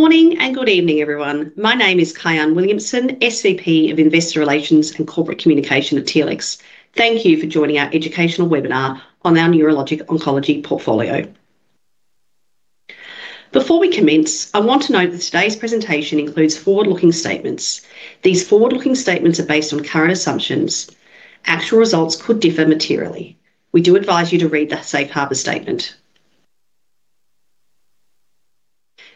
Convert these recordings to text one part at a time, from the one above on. Good morning and good evening, everyone. My name is Kyahn Williamson, SVP of Investor Relations and Corporate Communication at Telix. Thank you for joining our educational webinar on our neurologic oncology portfolio. Before we commence, I want to note that today's presentation includes forward-looking statements. These forward-looking statements are based on current assumptions. Actual results could differ materially. We do advise you to read the safe harbor statement.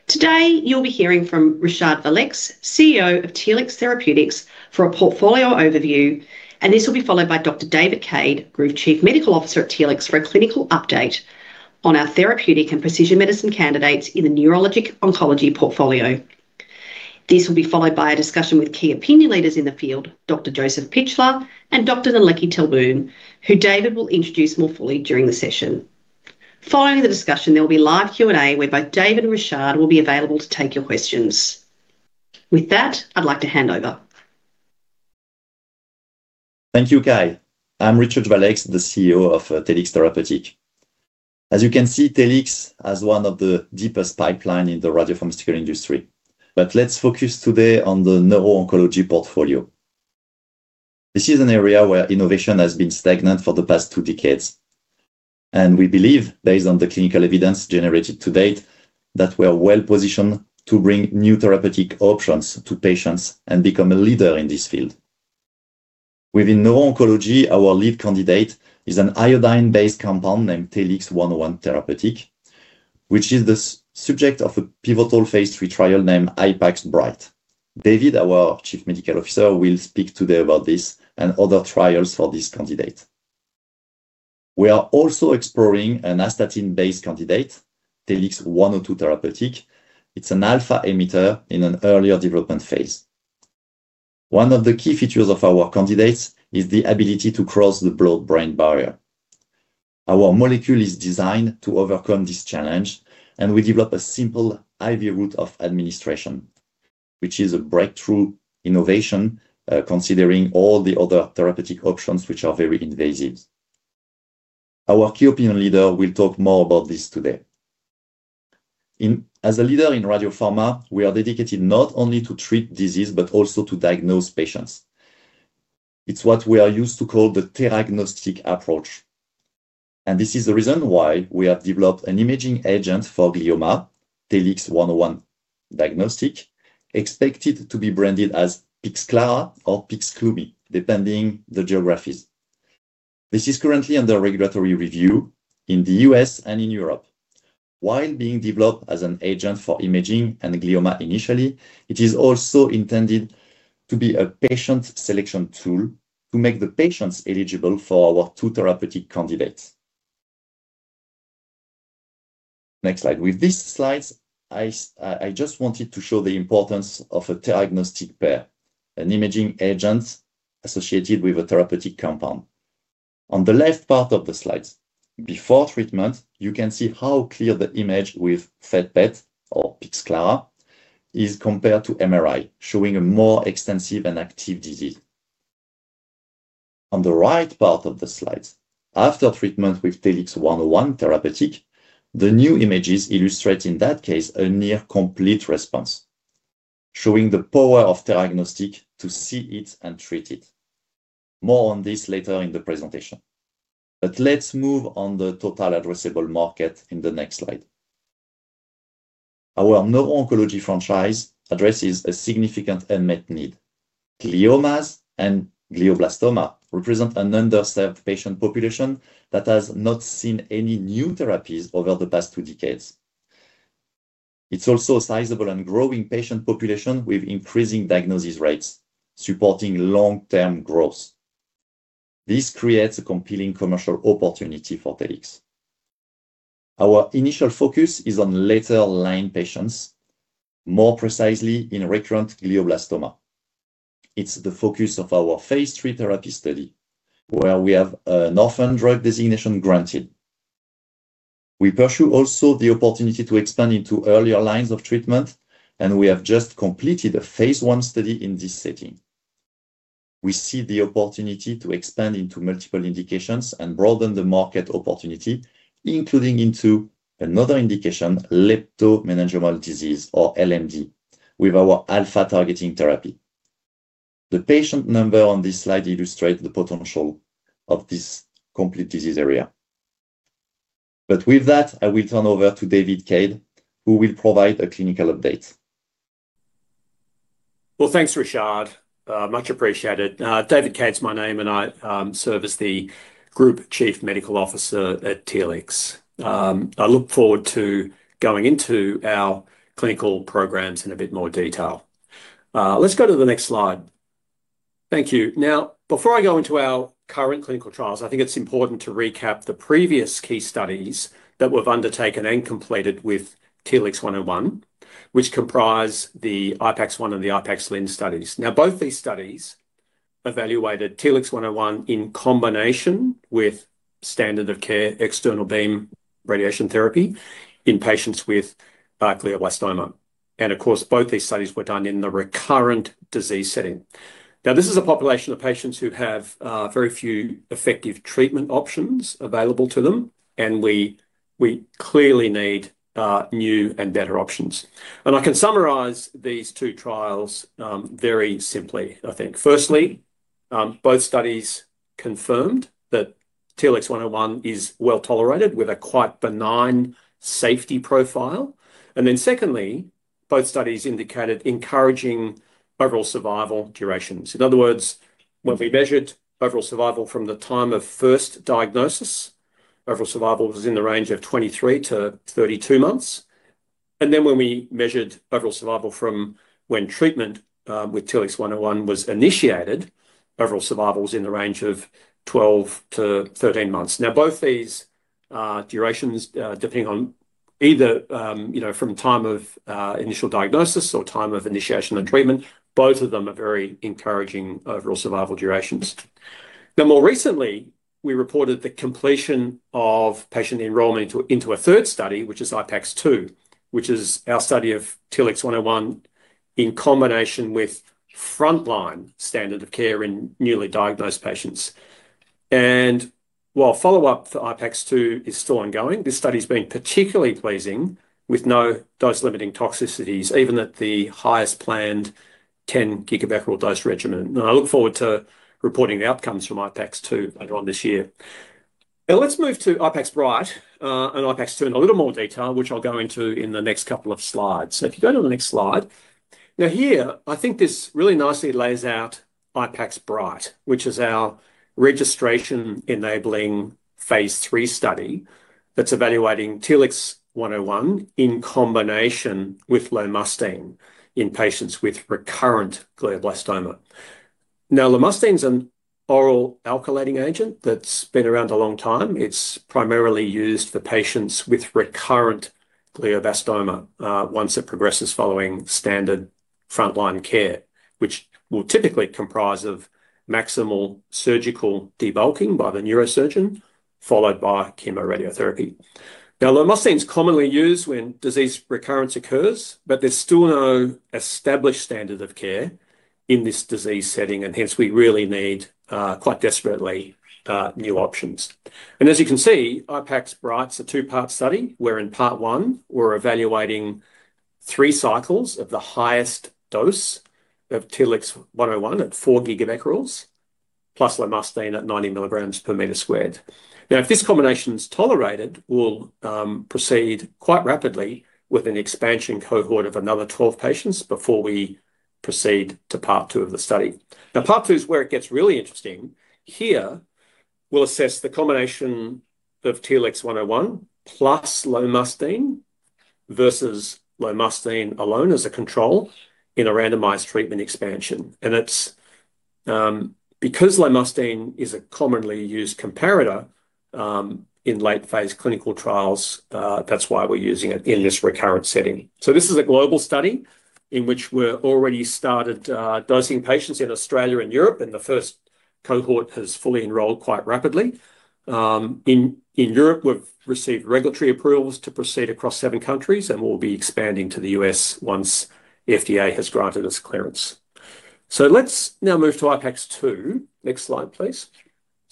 Today, you'll be hearing from Richard Valeix, CEO of Telix Therapeutics, for a portfolio overview. This will be followed by Dr. David Cade, Group Chief Medical Officer at Telix, for a clinical update on our therapeutic and precision medicine candidates in the neurologic oncology portfolio. This will be followed by a discussion with key opinion leaders in the field, Dr. Josef Pichler and Dr. Nelleke Tolboom, who David will introduce more fully during the session. Following the discussion, there will be live Q&A where both David and Richard will be available to take your questions. With that, I'd like to hand over. Thank you, Ky. I'm Richard Valeix, the CEO of Telix Therapeutics. As you can see, Telix has one of the deepest pipeline in the radiopharmaceutical industry. Let's focus today on the neuro-oncology portfolio. This is an area where innovation has been stagnant for the past two decades. We believe, based on the clinical evidence generated to date, that we are well-positioned to bring new therapeutic options to patients and become a leader in this field. Within neuro-oncology, our lead candidate is an iodine-based compound named TLX101 therapeutic, which is the subject of a pivotal phase III trial named IPAX BrIGHT. David, our Chief Medical Officer, will speak today about this and other trials for this candidate. We are also exploring an astatine-based candidate, TLX102 therapeutic. It's an alpha emitter in an earlier development phase. One of the key features of our candidates is the ability to cross the blood-brain barrier. Our molecule is designed to overcome this challenge. We develop a simple IV route of administration, which is a breakthrough innovation, considering all the other therapeutic options which are very invasive. Our key opinion leader will talk more about this today. As a leader in radiopharma, we are dedicated not only to treat disease but also to diagnose patients. It's what we are used to call the theranostic approach. This is the reason why we have developed an imaging agent for glioma, TLX101 diagnostic, expected to be branded as Pixclara or Pixlumi, depending the geographies. This is currently under regulatory review in the U.S. and in Europe. While being developed as an agent for imaging and glioma initially, it is also intended to be a patient selection tool to make the patients eligible for our two therapeutic candidates. Next slide. With these slides, I just wanted to show the importance of a theranostic pair, an imaging agent associated with a therapeutic compound. On the left part of the slides, before treatment, you can see how clear the image with PET or Pixclara is compared to MRI, showing a more extensive and active disease. On the right part of the slides, after treatment with TLX101 therapeutic, the new images illustrate, in that case, a near complete response, showing the power of theranostic to see it and treat it. More on this later in the presentation, let's move on the total addressable market in the next slide. Our neuro-oncology franchise addresses a significant unmet need. Gliomas and glioblastoma represent an underserved patient population that has not seen any new therapies over the past two decades. It's also a sizable and growing patient population with increasing diagnosis rates, supporting long-term growth. This creates a compelling commercial opportunity for Telix. Our initial focus is on later-line patients, more precisely in recurrent glioblastoma. It's the focus of our phase III therapy study, where we have an Orphan Drug Designation granted. We pursue also the opportunity to expand into earlier lines of treatment, and we have just completed a phase I study in this setting. We see the opportunity to expand into multiple indications and broaden the market opportunity, including into another indication, leptomeningeal disease or LMD, with our alpha-targeting therapy. The patient number on this slide illustrates the potential of this complete disease area. With that, I will turn over to David Cade, who will provide a clinical update. Well, thanks, Richard. Much appreciated. David Cade's my name, and I serve as the Group Chief Medical Officer at Telix. I look forward to going into our clinical programs in a bit more detail. Let's go to the next slide. Thank you. Before I go into our current clinical trials, I think it's important to recap the previous key studies that we've undertaken and completed with TLX101, which comprise the IPAX-1 and the IPAX-Linz studies. Both these studies evaluated TLX101 in combination with standard of care external beam radiation therapy in patients with glioblastoma. Of course, both these studies were done in the recurrent disease setting. This is a population of patients who have very few effective treatment options available to them, and we clearly need new and better options. I can summarize these two trials very simply, I think. Firstly, both studies confirmed that TLX101 is well-tolerated with a quite benign safety profile. Secondly, both studies indicated encouraging overall survival durations. In other words, when we measured overall survival from the time of first diagnosis, overall survival was in the range of 23-32 months. When we measured overall survival from when treatment with TLX101 was initiated, overall survival was in the range of 12-13 months. Both these durations, depending on either from time of initial diagnosis or time of initiation of treatment, both of them are very encouraging overall survival durations. More recently, we reported the completion of patient enrollment into a third study, which is IPAX-2, which is our study of TLX101 in combination with frontline standard of care in newly diagnosed patients. While follow-up for IPAX-2 is still ongoing, this study's been particularly pleasing with no dose-limiting toxicities, even at the highest planned 10 GBq dose regimen. I look forward to reporting the outcomes from IPAX-2 later on this year. Let's move to IPAX BrIGHT and IPAX-2 in a little more detail, which I'll go into in the next couple of slides. If you go to the next slide. Here, I think this really nicely lays out IPAX BrIGHT, which is our registration-enabling phase III study that's evaluating TLX101 in combination with lomustine in patients with recurrent glioblastoma. Lomustine's an oral alkylating agent that's been around a long time. It's primarily used for patients with recurrent glioblastoma, once it progresses following standard frontline care, which will typically comprise of maximal surgical debulking by the neurosurgeon, followed by chemoradiotherapy. Lomustine's commonly used when disease recurrence occurs, but there's still no established standard of care in this disease setting, hence we really need, quite desperately, new options. As you can see, IPAX BrIGHT's a two-part study where in Part 1 we're evaluating three cycles of the highest dose of TLX101 at 4 GBqs, plus lomustine at 90 mg per meter squared. If this combination's tolerated, we'll proceed quite rapidly with an expansion cohort of another 12 patients before we proceed to Part 2 of the study. Part 2's where it gets really interesting. Here we'll assess the combination of TLX101 plus lomustine versus lomustine alone as a control in a randomized treatment expansion. It's because lomustine is a commonly used comparator in late-phase clinical trials, that's why we're using it in this recurrent setting. This is a global study in which we're already started dosing patients in Australia and Europe, and the first cohort has fully enrolled quite rapidly. In Europe, we've received regulatory approvals to proceed across seven countries, and we'll be expanding to the U.S. once FDA has granted us clearance. Let's now move to IPAX-2. Next slide, please.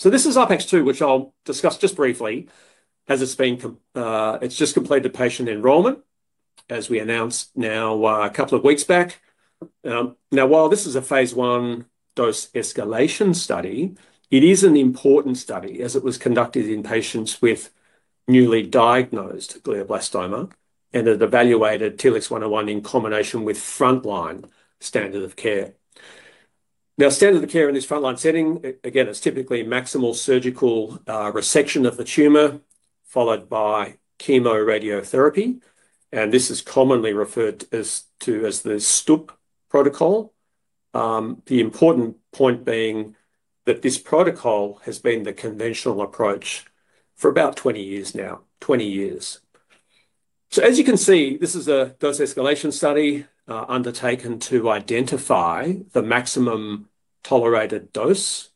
This is IPAX-2, which I'll discuss just briefly, as it's just completed the patient enrollment as we announced a couple of weeks back. While this is a phase I dose-escalation study, it is an important study as it was conducted in patients with newly diagnosed glioblastoma, and it evaluated TLX101 in combination with frontline standard of care. Standard of care in this frontline setting, again, is typically maximal surgical resection of the tumor followed by chemoradiotherapy, and this is commonly referred to as the Stupp protocol. The important point being that this protocol has been the conventional approach for about 20 years now. As you can see, this is a dose-escalation study undertaken to identify the maximum tolerated dose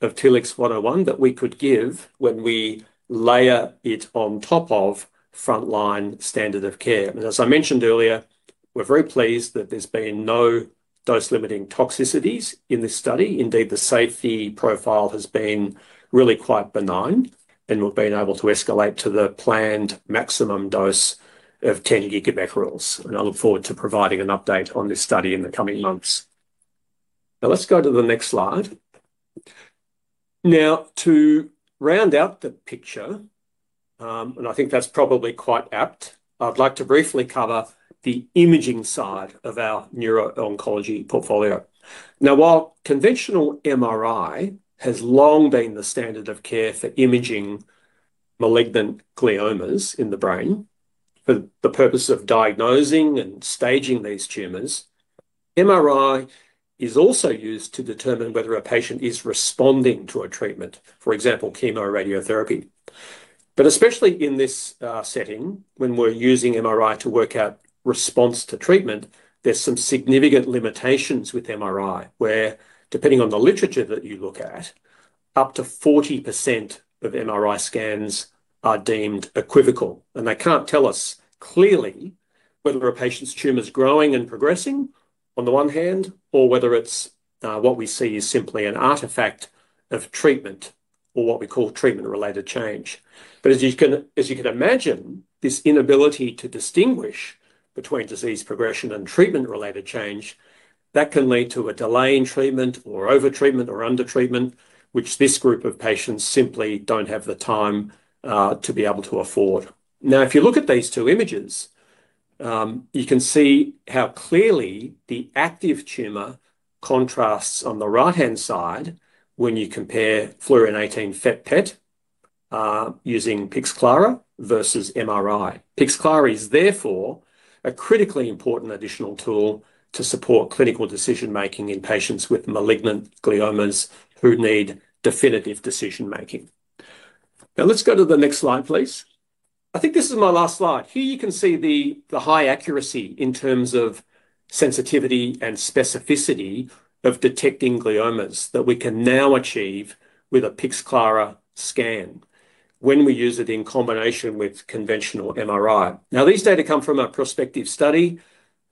of TLX101 that we could give when we layer it on top of frontline standard of care. As I mentioned earlier, we're very pleased that there's been no dose-limiting toxicities in this study. Indeed, the safety profile has been really quite benign, and we've been able to escalate to the planned maximum dose of 10 GBqs, I look forward to providing an update on this study in the coming months. Let's go to the next slide. To round out the picture, and I think that's probably quite apt, I'd like to briefly cover the imaging side of our neuro-oncology portfolio. While conventional MRI has long been the standard of care for imaging malignant gliomas in the brain for the purpose of diagnosing and staging these tumors, MRI is also used to determine whether a patient is responding to a treatment, for example, chemoradiotherapy. Especially in this setting when we're using MRI to work out response to treatment, there's some significant limitations with MRI where, depending on the literature that you look at, up to 40% of MRI scans are deemed equivocal, and they can't tell us clearly whether a patient's tumor's growing and progressing on the one hand, or whether it's what we see is simply an artifact of treatment or what we call treatment-related change. As you can imagine, this inability to distinguish between disease progression and treatment-related change, that can lead to a delay in treatment, or overtreatment, or undertreatment, which this group of patients simply don't have the time to be able to afford. If you look at these two images, you can see how clearly the active tumor contrasts on the right-hand side when you compare Fluorine-18 FET-PET using Pixclara versus MRI. Pixclara is, therefore, a critically important additional tool to support clinical decision-making in patients with malignant gliomas who need definitive decision-making. Let's go to the next slide, please. I think this is my last slide. Here you can see the high accuracy in terms of sensitivity and specificity of detecting gliomas that we can now achieve with a Pixclara scan when we use it in combination with conventional MRI. These data come from a prospective study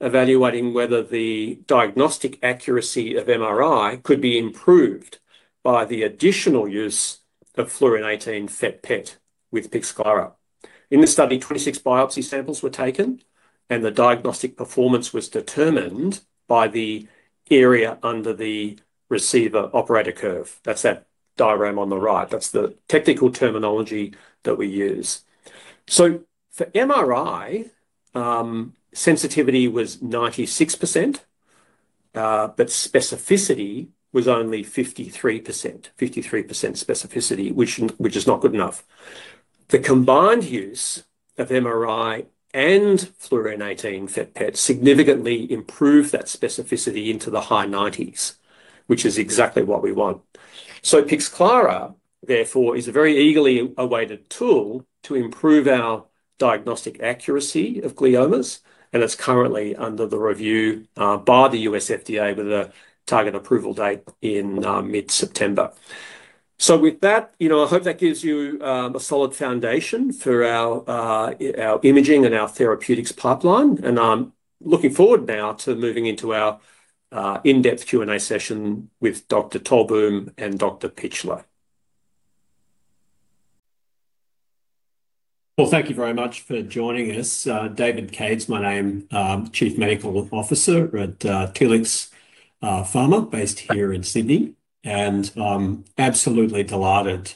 evaluating whether the diagnostic accuracy of MRI could be improved by the additional use of Fluorine-18 FET-PET with Pixclara. In the study, 26 biopsy samples were taken, and the diagnostic performance was determined by the area under the receiver operating curve. That's that diagram on the right. That's the technical terminology that we use. For MRI, sensitivity was 96%, specificity was only 53%, which is not good enough. The combined use of MRI and Fluorine-18 FET-PET significantly improved that specificity into the high 90%s, which is exactly what we want. Pixclara, therefore, is a very eagerly awaited tool to improve our diagnostic accuracy of gliomas, and it's currently under the review by the US FDA with a target approval date in mid-September. With that, I hope that gives you a solid foundation for our imaging and our therapeutics pipeline, and I am looking forward now to moving into our in-depth Q&A session with Dr. Tolboom and Dr. Pichler. Well, thank you very much for joining us. David Cade is my name, Chief Medical Officer at Telix Pharma, based here in Sydney, and absolutely delighted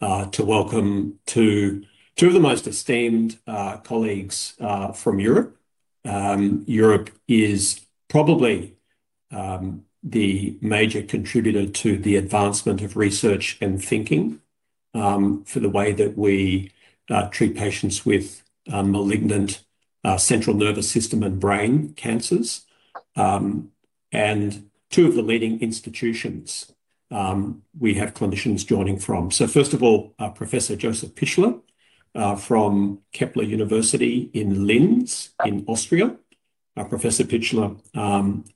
to welcome two of the most esteemed colleagues from Europe. Europe is probably the major contributor to the advancement of research and thinking for the way that we treat patients with malignant central nervous system and brain cancers. Two of the leading institutions we have clinicians joining from. First of all, Professor Josef Pichler from Kepler University in Linz in Austria. Professor Pichler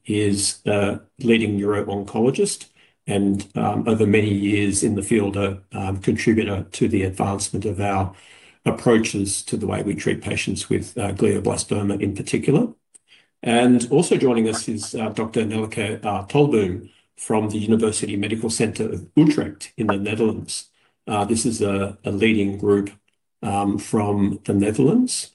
is a leading neuro-oncologist and, over many years in the field, a contributor to the advancement of our approaches to the way we treat patients with glioblastoma in particular. Also joining us is Dr. Nelleke Tolboom from the University Medical Center Utrecht in the Netherlands. This is a leading group from the Netherlands.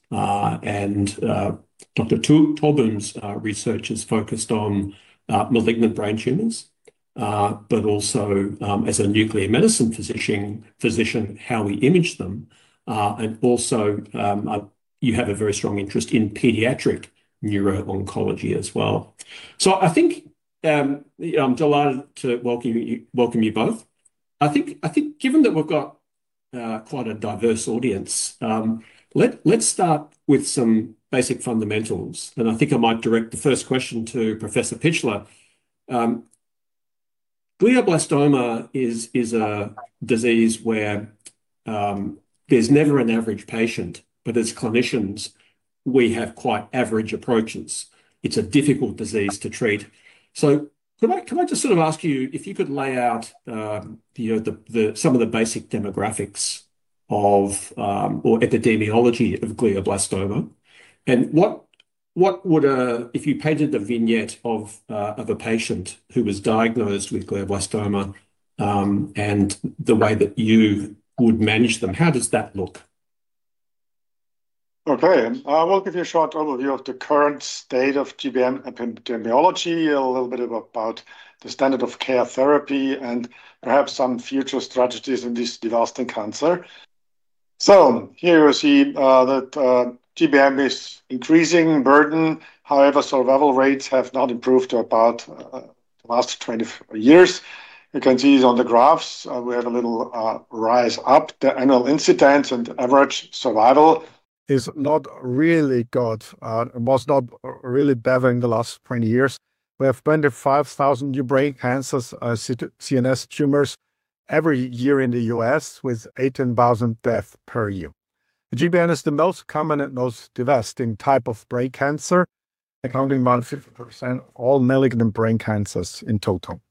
Dr. Tolboom's research is focused on malignant brain tumors, but also, as a nuclear medicine physician, how we image them, and also you have a very strong interest in pediatric neuro-oncology as well. I am delighted to welcome you both. I think given that we have got quite a diverse audience, let us start with some basic fundamentals, and I think I might direct the first question to Professor Pichler. Glioblastoma is a disease where there is never an average patient, but as clinicians, we have quite average approaches. It is a difficult disease to treat. Could I just ask you if you could lay out some of the basic demographics of, or epidemiology of glioblastoma, and if you painted a vignette of a patient who was diagnosed with glioblastoma, and the way that you would manage them, how does that look? Okay. I will give you a short overview of the current state of GBM epidemiology, a little bit about the standard of care therapy, and perhaps some future strategies in this devastating cancer. Here we see that GBM is increasing burden. However, survival rates have not improved about the last 20 years. You can see it on the graphs. We have a little rise up. The annual incidence and average survival is not really good, was not really better in the last 20 years. We have 25,000 new brain cancers, CNS tumors every year in the U.S., with 18,000 death per year. GBM is the most common and most devastating type of brain cancer, accounting about 50% of all malignant brain cancers in total.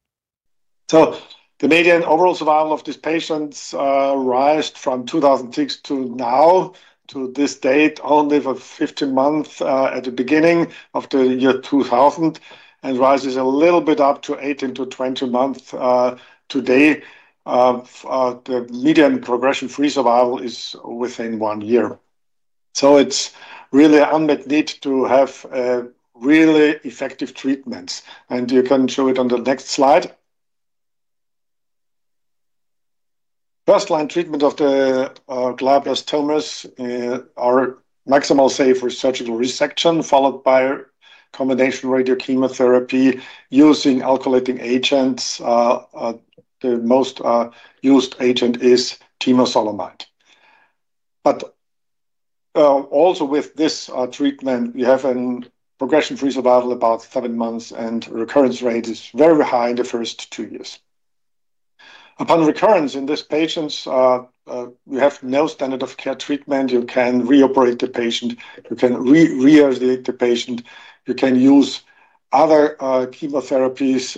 The median overall survival of these patients arose from 2006 to now, to this date, only for 15 months at the beginning of the year 2000, and rises a little bit up to 18-20 months today. The median progression-free survival is within one year. It's really unmet need to have really effective treatments, and you can show it on the next slide. First line treatment of the glioblastomas are maximal safe for surgical resection, followed by combination radiochemotherapy using alkylating agents. The most used agent is temozolomide. Also with this treatment, we have a progression-free survival about seven months, and recurrence rate is very high in the first two years. Upon recurrence in these patients, we have no standard of care treatment. You can re-operate the patient. You can re-irradiate the patient. You can use other chemotherapies.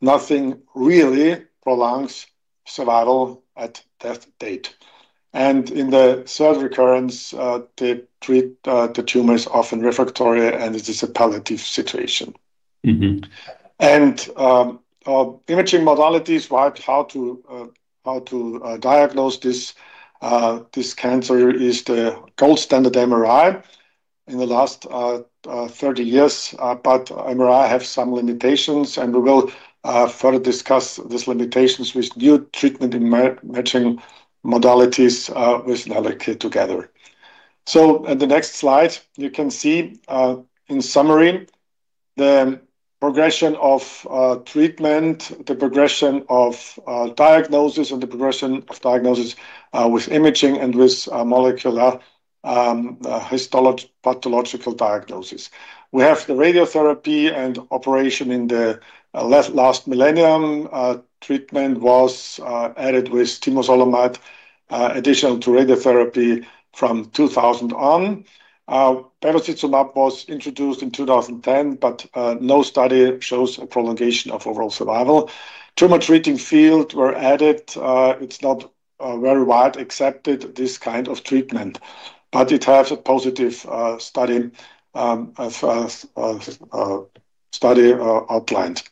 Nothing really prolongs survival at that date. In the third recurrence, the tumor is often refractory, and it is a palliative situation. Imaging modalities, how to diagnose this cancer is the gold standard MRI in the last 30 years. MRI have some limitations, and we will further discuss these limitations with new treatment imaging modalities with Nelleke together. In the next slide, you can see, in summary, the progression of treatment, the progression of diagnosis, and the progression of diagnosis with imaging and with molecular histopathological diagnosis. We have the radiotherapy and operation in the last millennium. Treatment was added with temozolomide, additional to radiotherapy from 2000 on. Bevacizumab was introduced in 2010, but no study shows a prolongation of overall survival. Tumor Treating Fields were added. It's not very wide accepted, this kind of treatment, but it has a positive study as far as study outlined.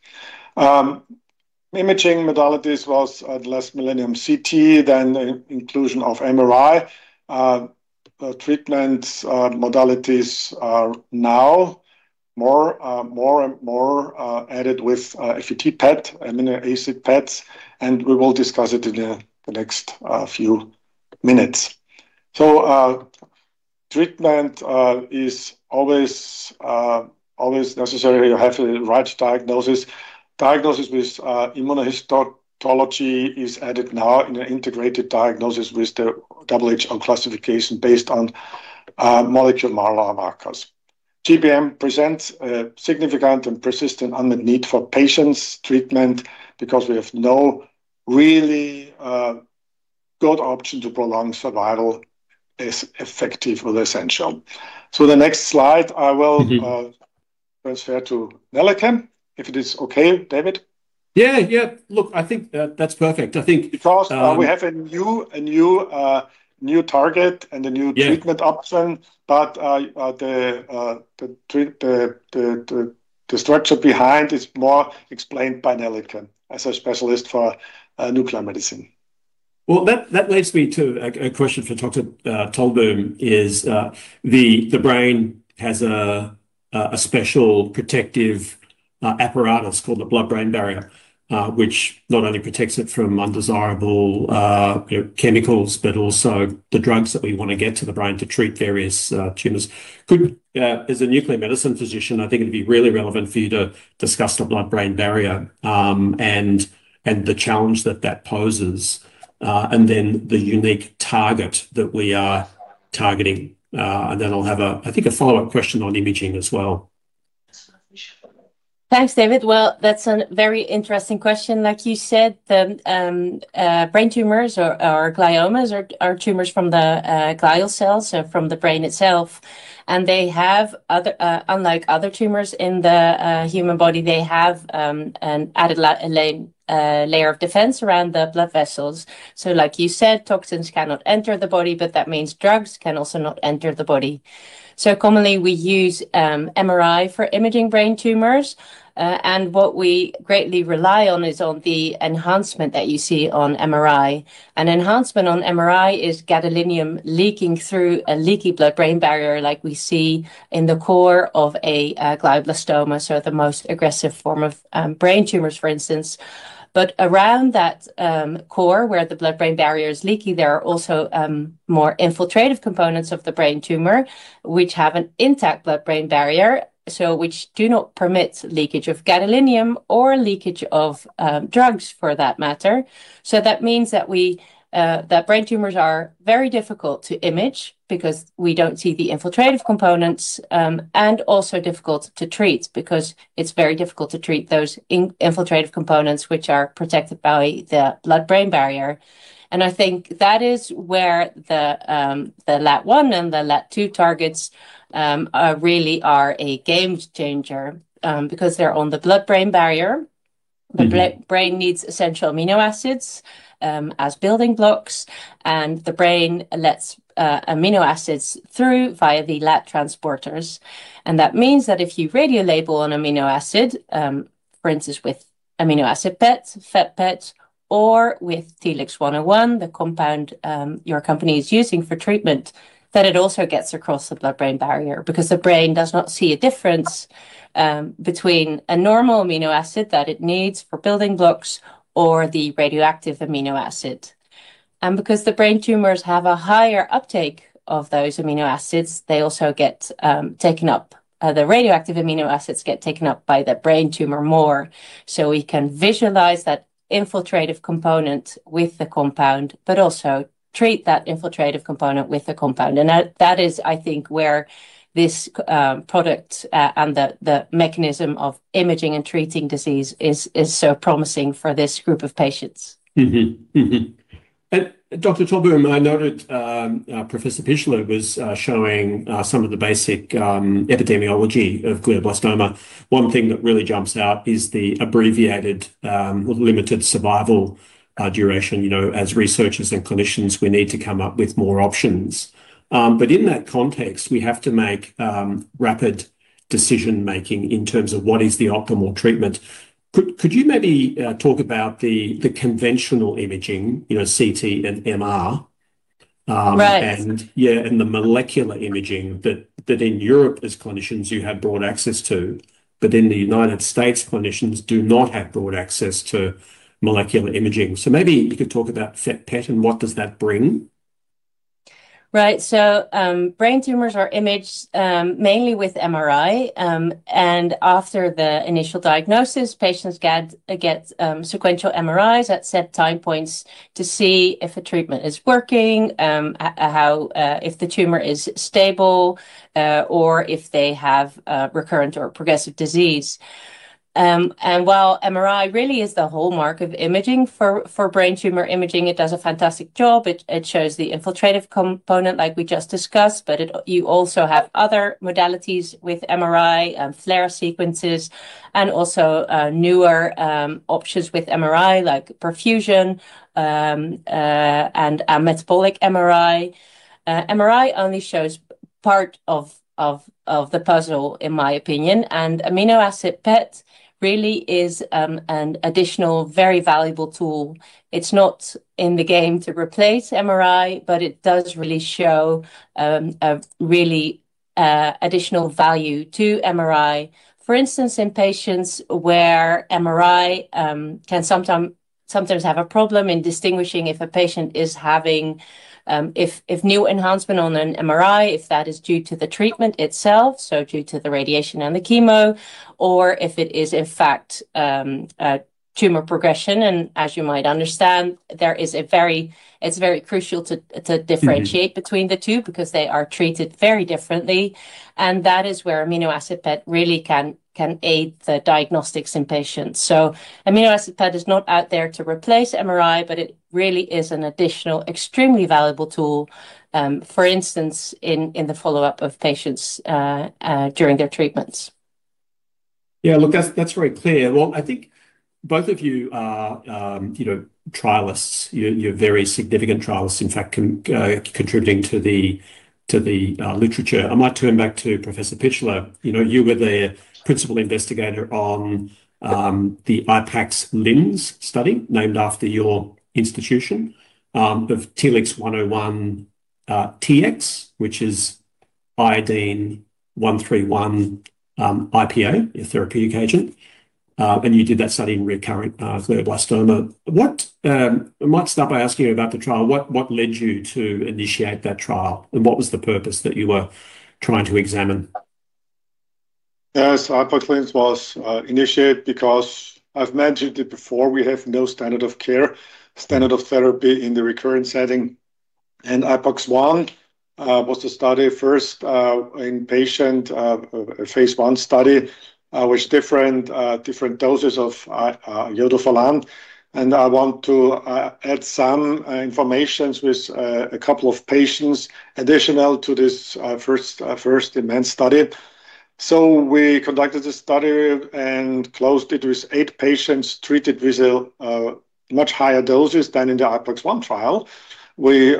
Imaging modalities was at last millennium CT, then the inclusion of MRI. Treatment modalities are now more added with FET-PET, amino acid PETs, and we will discuss it in the next few minutes. Treatment is always necessary. You have the right diagnosis. Diagnosis with immunohistology is added now in an integrated diagnosis with the WHO classification based on molecular markers. GBM presents a significant and persistent unmet need for patients treatment because we have no really good option to prolong survival as effective or essential. The next slide, I will transfer to Nelleke, if it is okay, David? Yeah. Look, I think that's perfect. I think. We have a new target and a new Yeah. treatment option, the structure behind is more explained by Nelleke as a specialist for nuclear medicine. That leads me to a question for Dr. Tolboom, the brain has a special protective apparatus called the blood-brain barrier, which not only protects it from undesirable chemicals, but also the drugs that we want to get to the brain to treat various tumors. As a nuclear medicine physician, I think it'd be really relevant for you to discuss the blood-brain barrier, and the challenge that that poses, then the unique target that we are targeting. I'll have, I think, a follow-up question on imaging as well. Thanks, David. That's a very interesting question. Like you said, brain tumors, or gliomas, are tumors from the glial cells, so from the brain itself, and unlike other tumors in the human body, they have an added layer of defense around the blood vessels. Like you said, toxins cannot enter the body, but that means drugs can also not enter the body. Commonly, we use MRI for imaging brain tumors. What we greatly rely on is on the enhancement that you see on MRI. An enhancement on MRI is gadolinium leaking through a leaky blood-brain barrier, like we see in the core of a glioblastoma, the most aggressive form of brain tumors, for instance. Around that core where the blood-brain barrier is leaky, there are also more infiltrative components of the brain tumor, which have an intact blood-brain barrier, so which do not permit leakage of gadolinium or leakage of drugs for that matter. That means that brain tumors are very difficult to image because we don't see the infiltrative components, and also difficult to treat because it's very difficult to treat those infiltrative components which are protected by the blood-brain barrier. I think that is where the LAT1 and the LAT2 targets really are a game-changer, because they're on the blood-brain barrier. The brain needs essential amino acids as building blocks, and the brain lets amino acids through via the LAT transporters. That means that if you radiolabel an amino acid, for instance, with amino acid PET, FET-PET, or with TLX101, the compound your company is using for treatment, that it also gets across the blood-brain barrier because the brain does not see a difference between a normal amino acid that it needs for building blocks or the radioactive amino acid. Because the brain tumors have a higher uptake of those amino acids, the radioactive amino acids get taken up by the brain tumor more. We can visualize that infiltrative component with the compound, but also treat that infiltrative component with the compound. That is, I think, where this product and the mechanism of imaging and treating disease is so promising for this group of patients. Mm-hmm. Dr. Tolboom, I noted Professor Pichler was showing some of the basic epidemiology of glioblastoma. One thing that really jumps out is the abbreviated limited survival duration. As researchers and clinicians, we need to come up with more options. In that context, we have to make rapid decision-making in terms of what is the optimal treatment. Could you maybe talk about the conventional imaging, CT and MR. Right. The molecular imaging that in Europe, as clinicians, you have broad access to, but in the U.S., clinicians do not have broad access to molecular imaging. Maybe you could talk about FET-PET and what does that bring. Right. Brain tumors are imaged mainly with MRI. After the initial diagnosis, patients get sequential MRIs at set time points to see if a treatment is working, if the tumor is stable, or if they have recurrent or progressive disease. While MRI really is the hallmark of imaging for brain tumor imaging, it does a fantastic job. It shows the infiltrative component like we just discussed, but you also have other modalities with MRI, FLAIR sequences, and also newer options with MRI like perfusion and metabolic MRI. MRI only shows part of the puzzle, in my opinion, and amino acid PET really is an additional, very valuable tool. It's not in the game to replace MRI, but it does really show additional value to MRI. For instance, in patients where MRI can sometimes have a problem in distinguishing if new enhancement on an MRI, if that is due to the treatment itself, due to the radiation and the chemo, or if it is in fact tumor progression. As you might understand, it's very crucial to differentiate between the two because they are treated very differently, that is where amino acid PET really can aid the diagnostics in patients. Amino acid PET is not out there to replace MRI, but it really is an additional extremely valuable tool, for instance, in the follow-up of patients during their treatments. Yeah, look, that's very clear. Well, I think both of you are trialists. You're very significant trialists, in fact, contributing to the literature. I might turn back to Professor Pichler. You were the principal investigator on the IPAX-Linz study, named after your institution, of TLX101-Tx, which is 131I-IPA, a therapeutic agent. You did that study in recurrent glioblastoma. I might start by asking you about the trial. What led you to initiate that trial, and what was the purpose that you were trying to examine? Yes, IPAX-Linz was initiated because I've mentioned it before, we have no standard of care, standard of therapy in the recurrent setting. IPAX-1 was the study first in patient, a phase I study, with different doses of iodofalan. I want to add some informations with a couple of patients additional to this first in men study. We conducted the study and closed it with eight patients treated with much higher doses than in the IPAX-1 trial. We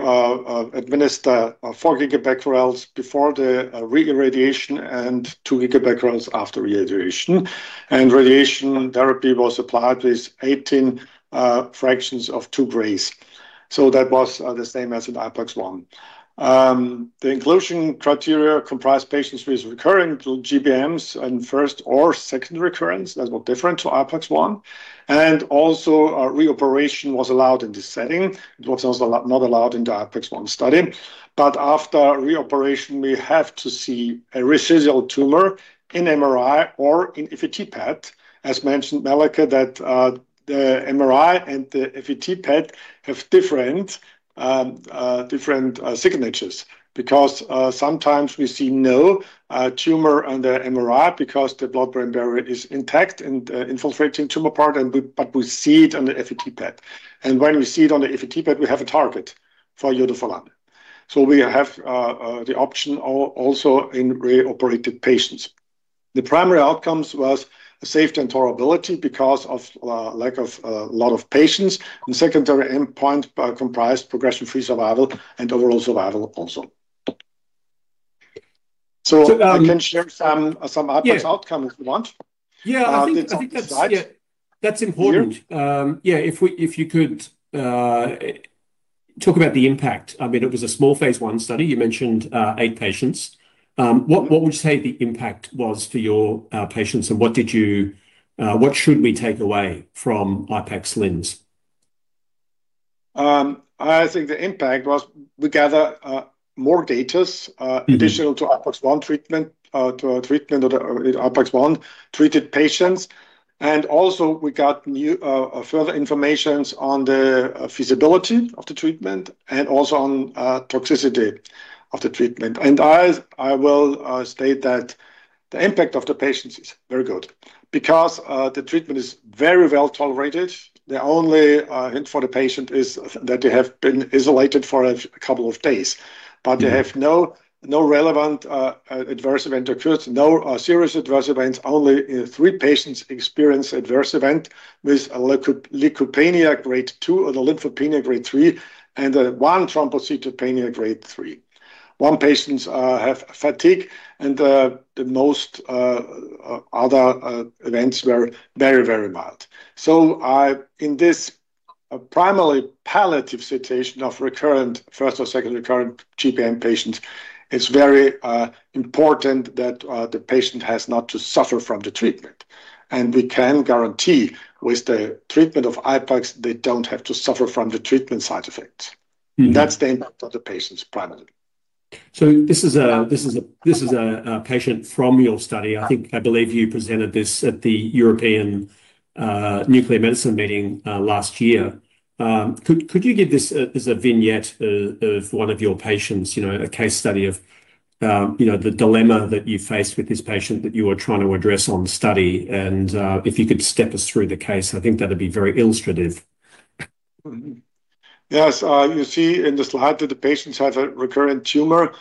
administered 4 GBqs before the reirradiation and 2 GBqs after reirradiation. Radiation therapy was applied with 18 fractions of two Grays. That was the same as in IPAX-1. The inclusion criteria comprised patients with recurring GBMs in first or second recurrence. That was different to IPAX-1. Also, reoperation was allowed in this setting. It was also not allowed in the IPAX-1 study. After reoperation, we have to see a residual tumor in MRI or in FET-PET. As mentioned, Nelleke, the MRI and the FET-PET have different signatures because sometimes we see no tumor on the MRI because the blood-brain barrier is intact and infiltrating tumor part, but we see it on the FET-PET. When we see it on the FET-PET, we have a target for iodofalan. We have the option also in reoperated patients. The primary outcomes was safety and tolerability because of lack of a lot of patients. The secondary endpoint comprised progression-free survival and overall survival also. So I can share Yeah IPAX outcome if you want. Yeah. It's on the slides. I think that's, yeah, that's important. Here. Yeah, if you could talk about the impact. It was a small phase I study. You mentioned eight patients. What would you say the impact was for your patients, and what should we take away from IPAX-Linz? I think the impact was we gather more data additional to TLX101 treatment, to treatment of the TLX101-treated patients. Also we got further information on the feasibility of the treatment and also on toxicity of the treatment. I will state that the impact of the patients is very good because the treatment is very well tolerated. The only hint for the patient is that they have been isolated for a couple of days, but they have no relevant adverse event occurred, no serious adverse events, only three patients experience adverse event with a leukopenia Grade 2 or the lymphopenia Grade 3, and one thrombocytopenia Grade 3. One patient has fatigue, and the most other events were very mild. In this primarily palliative situation of first or second recurrent GBM patients, it's very important that the patient has not to suffer from the treatment. We can guarantee with the treatment of IPAX, they don't have to suffer from the treatment side effects. That's the impact of the patients primarily. This is a patient from your study. I think I believe you presented this at the European Association of Nuclear Medicine Annual Congress last year. Could you give this as a vignette of one of your patients, a case study of the dilemma that you faced with this patient that you are trying to address on the study, and if you could step us through the case, I think that'd be very illustrative. Yes. You see in the slide that the patients have a recurrent tumor,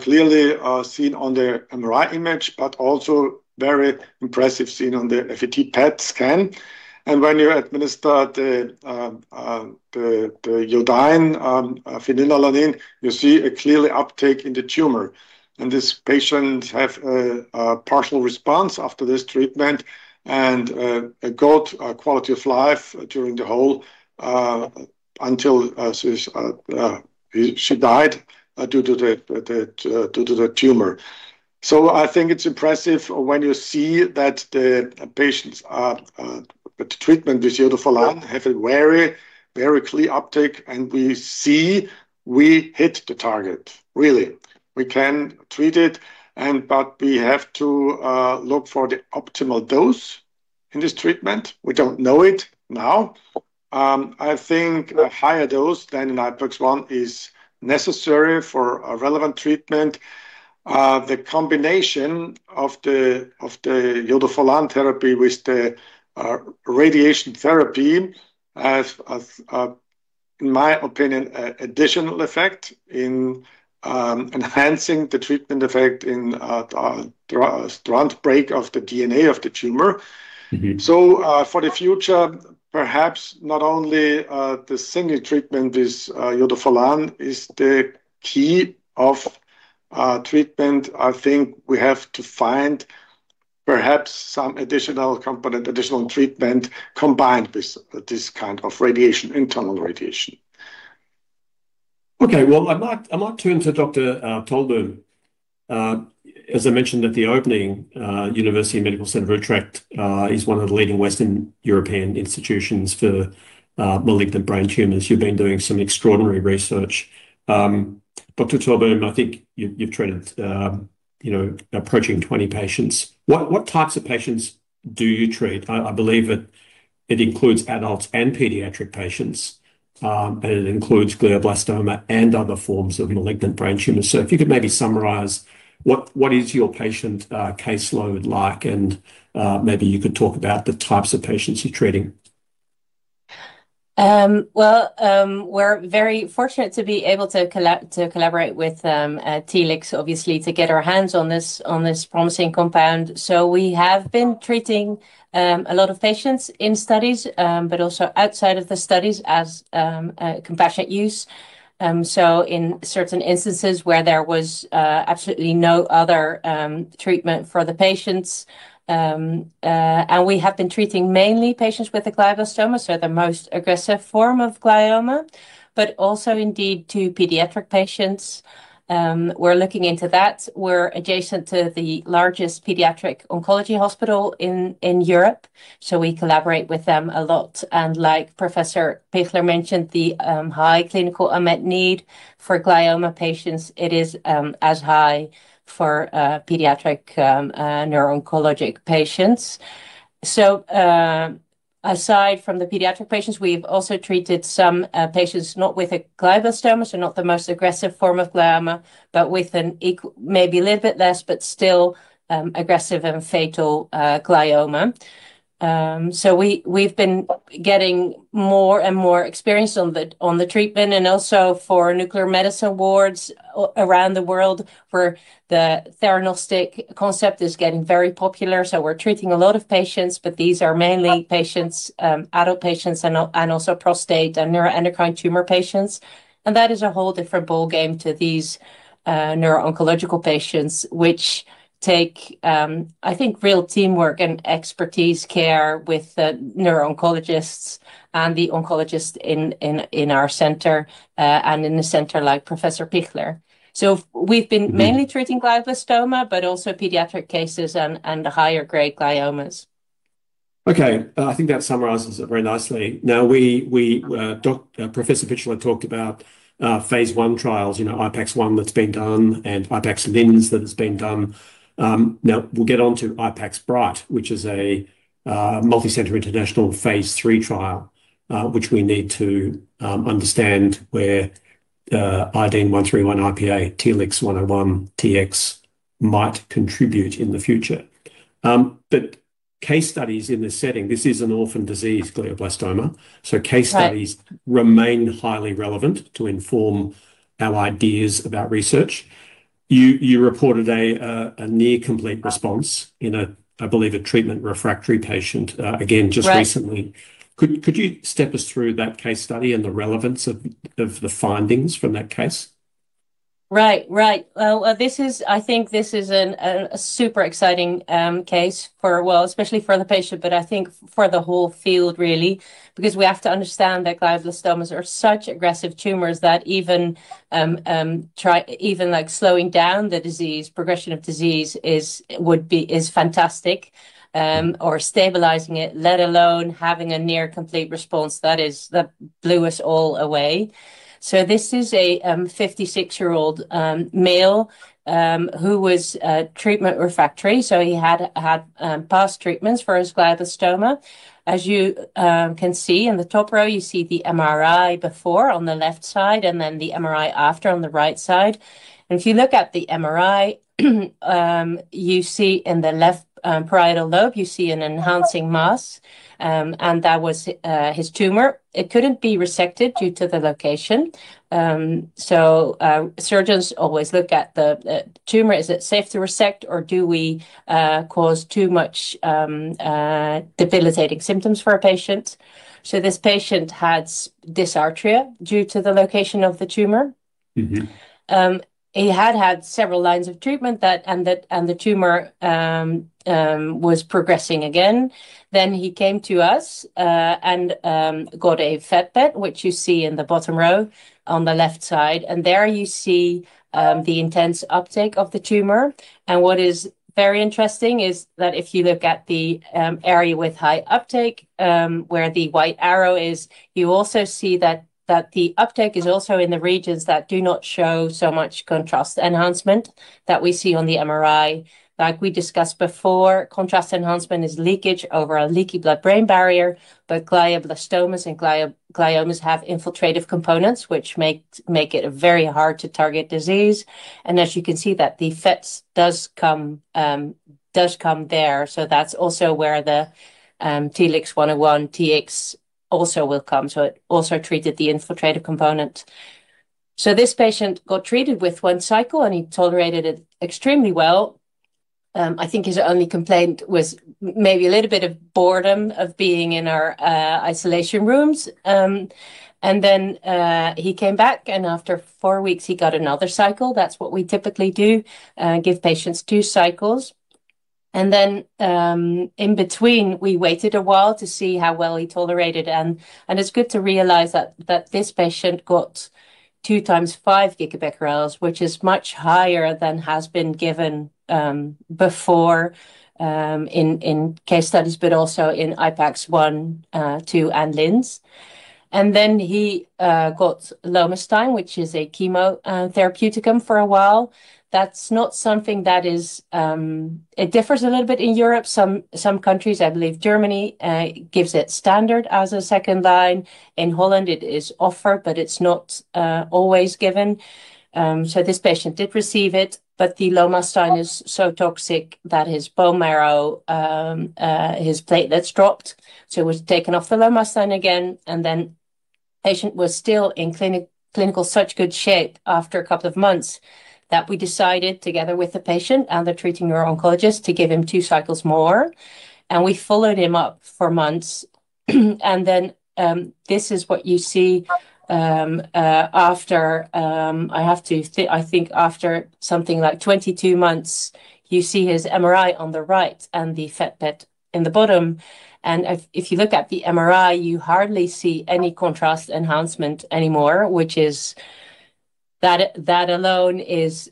clearly seen on the MRI image, but also very impressive seen on the FET-PET scan. When you administer the iodine phenylalanine, you see a clear uptake in the tumor, this patient have a partial response after this treatment and a good quality of life during the whole, until she died due to the tumor. I think it's impressive when you see that the treatment with iodofalan have a very clear uptake, we see we hit the target, really. We can treat it, but we have to look for the optimal dose in this treatment. We don't know it now. I think a higher dose than in IPAX-1 is necessary for a relevant treatment. The combination of the iodofalan therapy with the radiation therapy have, in my opinion, additional effect in enhancing the treatment effect in strand break of the DNA of the tumor. For the future, perhaps not only the single treatment with iodofalan is the key of treatment. We have to find perhaps some additional component, additional treatment combined with this kind of internal radiation. Okay. Well, I might turn to Dr. Tolboom. As I mentioned at the opening, University Medical Center Utrecht is one of the leading Western European institutions for malignant brain tumors. You've been doing some extraordinary research. Dr. Tolboom, I think you've treated approaching 20 patients. What types of patients do you treat? I believe it includes adults and pediatric patients, and it includes glioblastoma and other forms of malignant brain tumors. If you could maybe summarize what is your patient caseload like, and maybe you could talk about the types of patients you're treating. Well, we're very fortunate to be able to collaborate with Telix, obviously, to get our hands on this promising compound. We have been treating a lot of patients in studies, but also outside of the studies as compassionate use. In certain instances where there was absolutely no other treatment for the patients, and we have been treating mainly patients with a glioblastoma, so the most aggressive form of glioma, but also indeed to pediatric patients. We're looking into that. We're adjacent to the largest pediatric oncology hospital in Europe, so we collaborate with them a lot. Like Professor Pichler mentioned, the high clinical unmet need for glioma patients, it is as high for pediatric neuro-oncologic patients. Aside from the pediatric patients, we've also treated some patients not with a glioblastoma, so not the most aggressive form of glioma, but with maybe a little bit less, but still aggressive and fatal glioma. We've been getting more and more experience on the treatment, and also for nuclear medicine wards around the world, where the theranostic concept is getting very popular. We're treating a lot of patients, but these are mainly adult patients, and also prostate and neuroendocrine tumor patients. That is a whole different ballgame to these neuro-oncological patients, which take, I think, real teamwork and expertise care with the neuro-oncologists and the oncologist in our center, and in the center like Professor Pichler. We've been mainly treating glioblastoma, but also pediatric cases and the higher-grade gliomas. Okay. I think that summarizes it very nicely. Professor Pichler talked about phase I trials, IPAX-1 that's been done, and IPAX-Linz that has been done. We'll get onto IPAX BrIGHT, which is a multicenter international phase III trial, which we need to understand where 131I-IPA, TLX101-Tx might contribute in the future. Case studies in this setting, this is an orphan disease, glioblastoma. Right. Case studies remain highly relevant to inform our ideas about research. You reported a near complete response in, I believe, a treatment-refractory patient again just recently. Right. Could you step us through that case study and the relevance of the findings from that case? Right. I think this is a super exciting case, especially for the patient, I think for the whole field really, because we have to understand that glioblastomas are such aggressive tumors that even slowing down the progression of disease is fantastic. Stabilizing it, let alone having a near complete response, that blew us all away. This is a 56-year-old male who was treatment-refractory. He had had past treatments for his glioblastoma. As you can see in the top row, you see the MRI before on the left side, and then the MRI after on the right side. If you look at the MRI you see in the left parietal lobe, you see an enhancing mass, and that was his tumor. It couldn't be resected due to the location. Surgeons always look at the tumor, is it safe to resect, or do we cause too much debilitating symptoms for a patient? This patient had dysarthria due to the location of the tumor. He had had several lines of treatment, and the tumor was progressing again. He came to us and got a FET-PET, which you see in the bottom row on the left side. There you see the intense uptake of the tumor. What is very interesting is that if you look at the area with high uptake, where the white arrow is, you also see that the uptake is also in the regions that do not show so much contrast enhancement that we see on the MRI. Like we discussed before, contrast enhancement is leakage over a leaky blood-brain barrier. Both glioblastomas and gliomas have infiltrative components, which make it a very hard to target disease. As you can see that the FET does come there. That's also where the TLX101-Tx also will come. It also treated the infiltrative component. This patient got treated with one cycle, and he tolerated it extremely well. I think his only complaint was maybe a little bit of boredom of being in our isolation rooms. He came back, and after four weeks he got another cycle. That's what we typically do, give patients two cycles. In between, we waited a while to see how well he tolerated. It's good to realize that this patient got 2x5 GBqs, which is much higher than has been given before in case studies, but also in IPAX-1, IPAX-2, and IPAX-Linz. He got lomustine, which is a chemotherapeuticum for a while. It differs a little bit in Europe. Some countries, I believe Germany, gives it standard as a second line. In Holland it is offered, but it's not always given. This patient did receive it, but the lomustine is so toxic that his bone marrow, his platelets dropped. He was taken off the lomustine again, patient was still in such good clinical shape after a couple of months that we decided together with the patient and the treating neuro-oncologist to give him two cycles more, and we followed him up for months. This is what you see, I think after something like 22 months. You see his MRI on the right and the FET-PET in the bottom. If you look at the MRI, you hardly see any contrast enhancement anymore, That alone is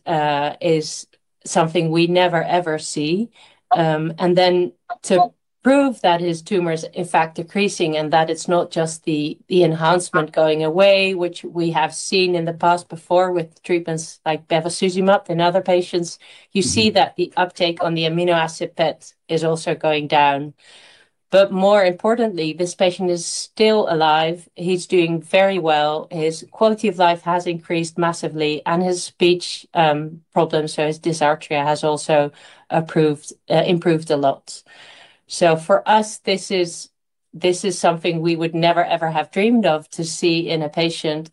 something we never, ever see. To prove that his tumor is in fact decreasing and that it's not just the enhancement going away, which we have seen in the past before with treatments like bevacizumab in other patients, you see that the uptake on the amino acid PET is also going down. More importantly, this patient is still alive. He's doing very well. His quality of life has increased massively, and his speech problems, so his dysarthria, has also improved a lot. For us, this is something we would never, ever have dreamed of to see in a patient.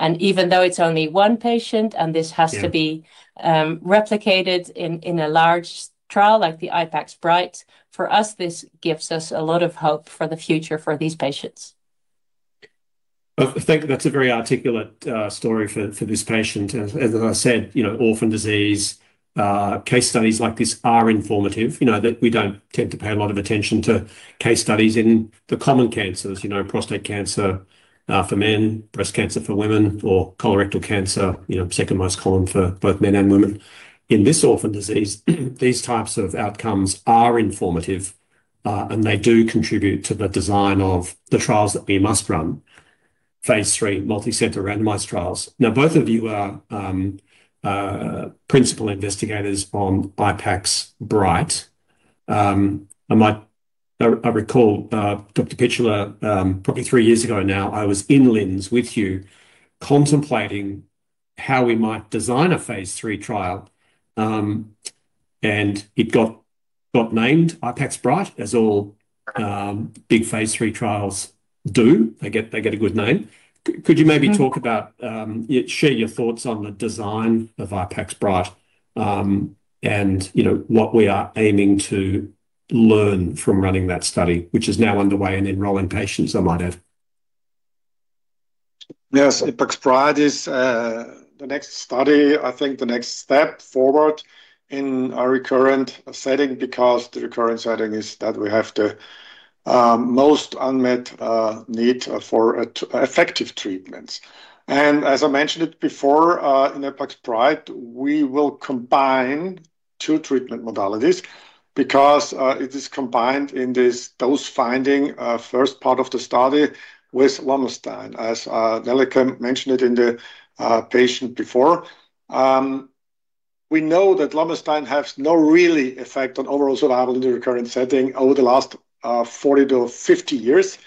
Even though it's only one patient, and this has to be replicated in a large trial like the IPAX BrIGHT, for us, this gives us a lot of hope for the future for these patients. I think that's a very articulate story for this patient. As I said, orphan disease case studies like this are informative. We don't tend to pay a lot of attention to case studies in the common cancers, prostate cancer for men, breast cancer for women, or colorectal cancer, second most common for both men and women. In this orphan disease, these types of outcomes are informative, and they do contribute to the design of the trials that we must run, phase III multi-center randomized trials. Now, both of you are principal investigators on IPAX BrIGHT. I recall, Dr. Pichler, probably three years ago now, I was in Linz with you contemplating how we might design a phase III trial, and it got named IPAX BrIGHT as all big phase III trials do. They get a good name. Could you maybe talk about, share your thoughts on the design of IPAX BrIGHT, and what we are aiming to learn from running that study, which is now underway and enrolling patients, I might add. Yes, IPAX BrIGHT is the next study, I think the next step forward in our recurrent setting because the recurrent setting is that we have the most unmet need for effective treatments. As I mentioned it before, in IPAX BrIGHT, we will combine two treatment modalities because it is combined in those finding first part of the study with lomustine, as Nelleke mentioned it in the patient before. We know that lomustine has no really effect on overall survival in the recurrent setting over the last 40-50 years.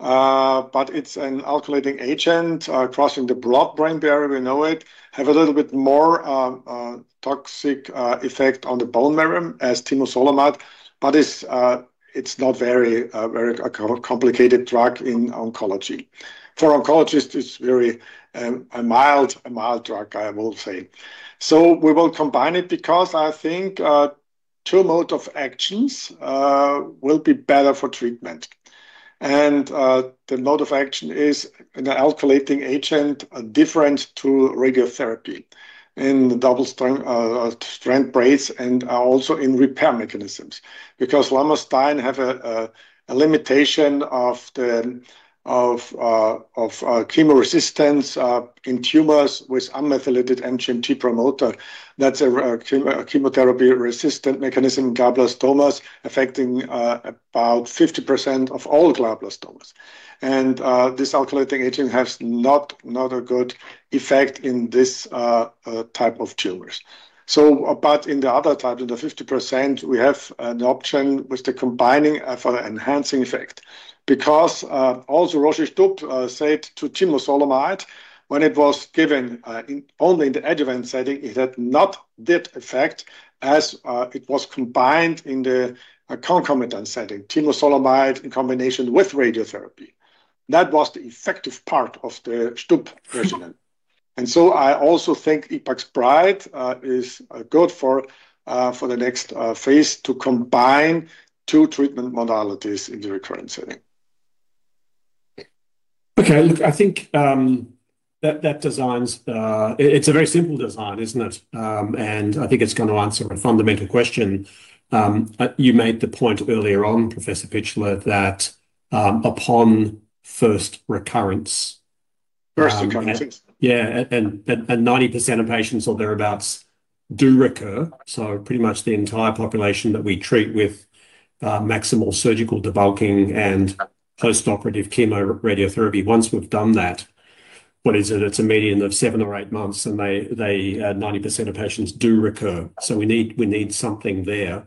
It's an alkylating agent, crossing the blood-brain barrier, we know it, have a little bit more toxic effect on the bone marrow as temozolomide, but it's not very complicated drug in oncology. For oncologist, it's very a mild drug, I will say. We will combine it because I think two mode of actions will be better for treatment. The mode of action is an alkylating agent different to radiotherapy in the double-strand breaks and also in repair mechanisms. Lomustine have a limitation of chemoresistance in tumors with unmethylated MGMT promoter. That's a chemotherapy-resistant mechanism in glioblastomas affecting about 50% of all glioblastomas. This alkylating agent has not a good effect in this type of tumors. In the other type, in the 50%, we have an option with the combining for the enhancing effect. Also Stupp said to temozolomide, when it was given only in the adjuvant setting, it had not that effect as it was combined in the concomitant setting, temozolomide in combination with radiotherapy. That was the effective part of the Stupp regimen. I also think IPAX BrIGHT is good for the next phase to combine two treatment modalities in the recurrent setting. Okay, look, I think that design's. It's a very simple design, isn't it? I think it's going to answer a fundamental question. You made the point earlier on, Professor Pichler, that upon first recurrence- First recurrence. 90% of patients or thereabouts do recur, pretty much the entire population that we treat with maximal surgical debulking and postoperative chemoradiotherapy. Once we've done that, what is it? It's a median of seven or eight months, 90% of patients do recur, we need something there.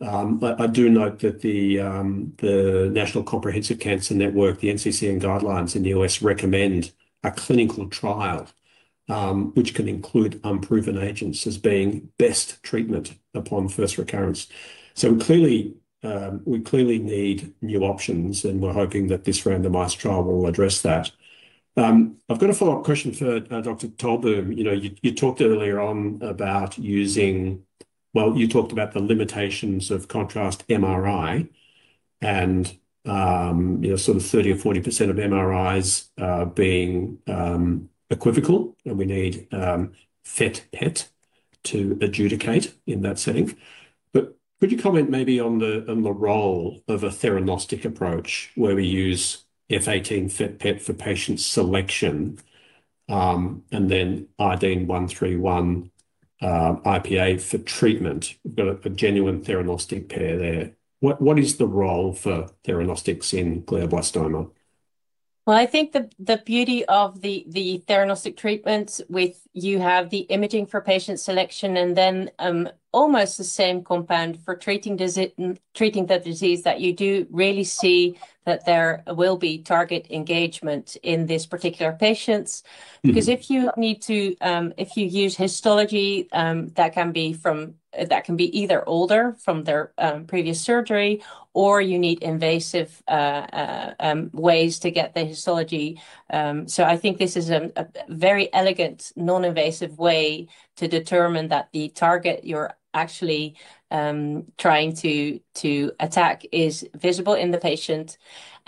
I do note that the National Comprehensive Cancer Network, the NCCN guidelines in the U.S. recommend a clinical trial which can include unproven agents as being best treatment upon first recurrence. We clearly need new options, and we're hoping that this randomized trial will address that. I've got a follow-up question for Dr. Tolboom. Well, you talked earlier on about the limitations of contrast MRI and sort of 30% or 40% of MRIs being equivocal, and we need FET-PET to adjudicate in that setting. Could you comment maybe on the role of a theranostic approach where we use F18 FET-PET for patient selection, and then iodine-131 IPA for treatment? We've got a genuine theranostic pair there. What is the role for theranostics in glioblastoma? Well, I think the beauty of the theranostic treatments with you have the imaging for patient selection and then almost the same compound for treating the disease that you do really see that there will be target engagement in these particular patients. If you use histology, that can be either older from their previous surgery, or you need invasive ways to get the histology. I think this is a very elegant, non-invasive way to determine that the target you're actually trying to attack is visible in the patient.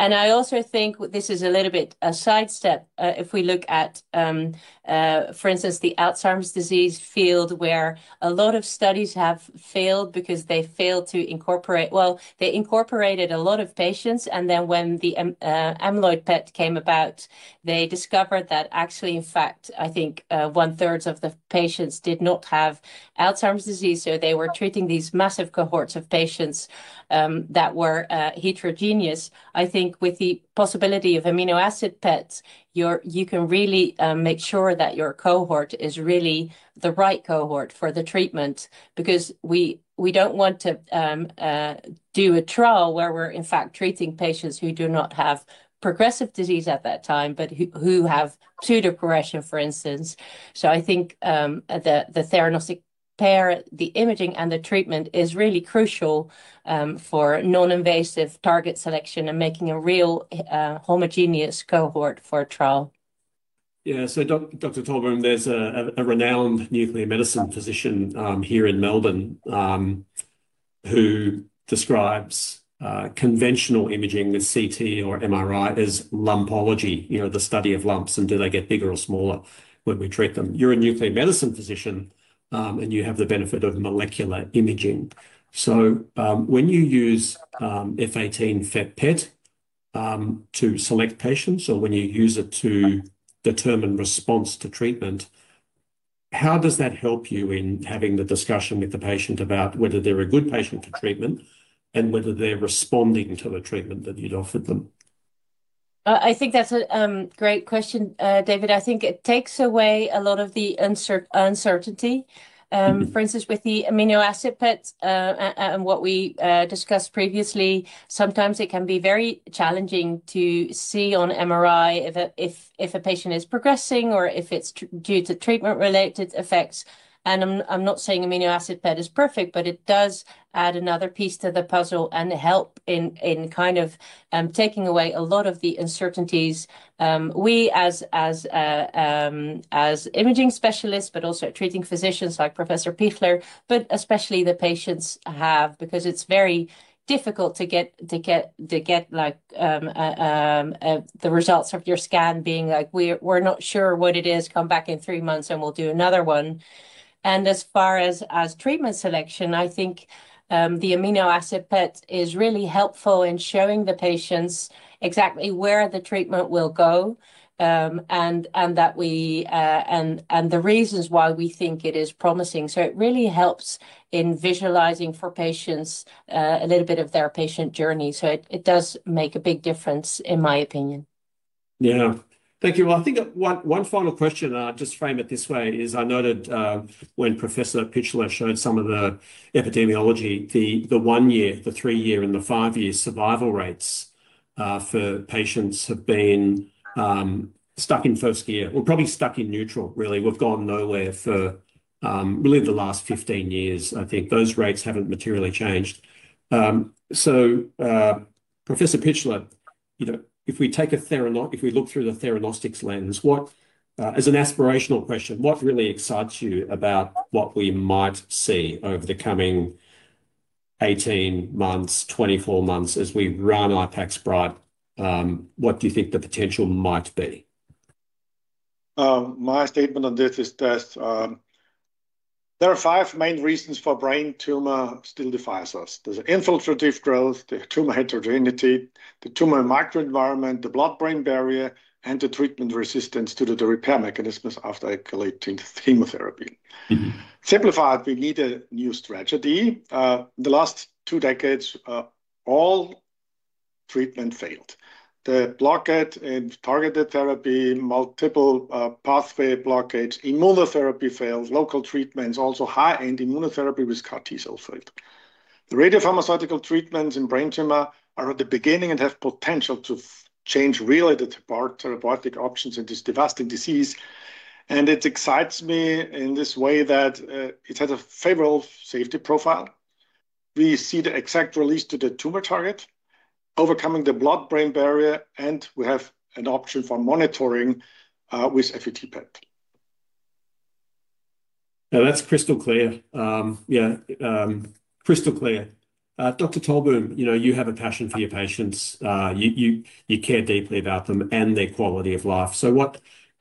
I also think, this is a little bit a sidestep, if we look at, for instance, the Alzheimer's disease field where a lot of studies have failed because they failed to incorporate they incorporated a lot of patients, and then when the amyloid PET came about, they discovered that actually, in fact, I think one third of the patients did not have Alzheimer's disease. They were treating these massive cohorts of patients that were heterogeneous. I think with the possibility of amino acid PETs, you can really make sure that your cohort is really the right cohort for the treatment. We don't want to do a trial where we're, in fact, treating patients who do not have progressive disease at that time, but who have tumor progression, for instance. I think the theranostic pair, the imaging and the treatment, is really crucial for non-invasive target selection and making a real homogeneous cohort for a trial. Yeah. Dr. Tolboom, there's a renowned nuclear medicine physician here in Melbourne, who describes conventional imaging with CT or MRI as lumpology, the study of lumps, and do they get bigger or smaller when we treat them? You're a nuclear medicine physician, and you have the benefit of molecular imaging. When you use F18 FET-PET to select patients, or when you use it to determine response to treatment, how does that help you in having the discussion with the patient about whether they're a good patient for treatment and whether they're responding to the treatment that you'd offered them? I think that's a great question, David. I think it takes away a lot of the uncertainty. For instance, with the amino acid PETs, and what we discussed previously, sometimes it can be very challenging to see on MRI if a patient is progressing or if it's due to treatment-related effects. I'm not saying amino acid PET is perfect, but it does add another piece to the puzzle and help in taking away a lot of the uncertainties we, as imaging specialists, but also treating physicians like Professor Pichler, but especially the patients have because it's very difficult to get the results of your scan being like, "We're not sure what it is. Come back in three months, and we'll do another one." As far as treatment selection, I think the amino acid PET is really helpful in showing the patients exactly where the treatment will go, and the reasons why we think it is promising. It really helps in visualizing for patients a little bit of their patient journey. It does make a big difference in my opinion. Yeah. Thank you. Well, I think one final question, and I'll just frame it this way, is I noted when Professor Pichler showed some of the epidemiology, the one-year, the three-year, and the five-year survival rates for patients have been stuck in first gear, or probably stuck in neutral, really. We've gone nowhere for really the last 15 years. I think those rates haven't materially changed. Professor Pichler, if we look through the theranostic lens, as an aspirational question, what really excites you about what we might see over the coming 18 months, 24 months as we run IPAX BrIGHT? What do you think the potential might be? My statement on this is that there are five main reasons for brain tumor still defies us. There's infiltrative growth, the tumor heterogeneity, the tumor microenvironment, the blood-brain barrier, and the treatment resistance due to the repair mechanisms after accumulating chemotherapy. Simplified, we need a new strategy. The last two decades, all treatment failed. The blockade and targeted therapy, multiple pathway blockades, immunotherapy failed, local treatments, also high-end immunotherapy with CAR T-cell failed. The radiopharmaceutical treatments in brain tumor are at the beginning and have potential to change really the therapeutic options in this devastating disease, and it excites me in this way that it has a favorable safety profile. We see the exact release to the tumor target, overcoming the blood-brain barrier, and we have an option for monitoring with FET-PET. No, that's crystal clear. Yeah. Crystal clear Dr. Tolboom, you have a passion for your patients. You care deeply about them and their quality of life.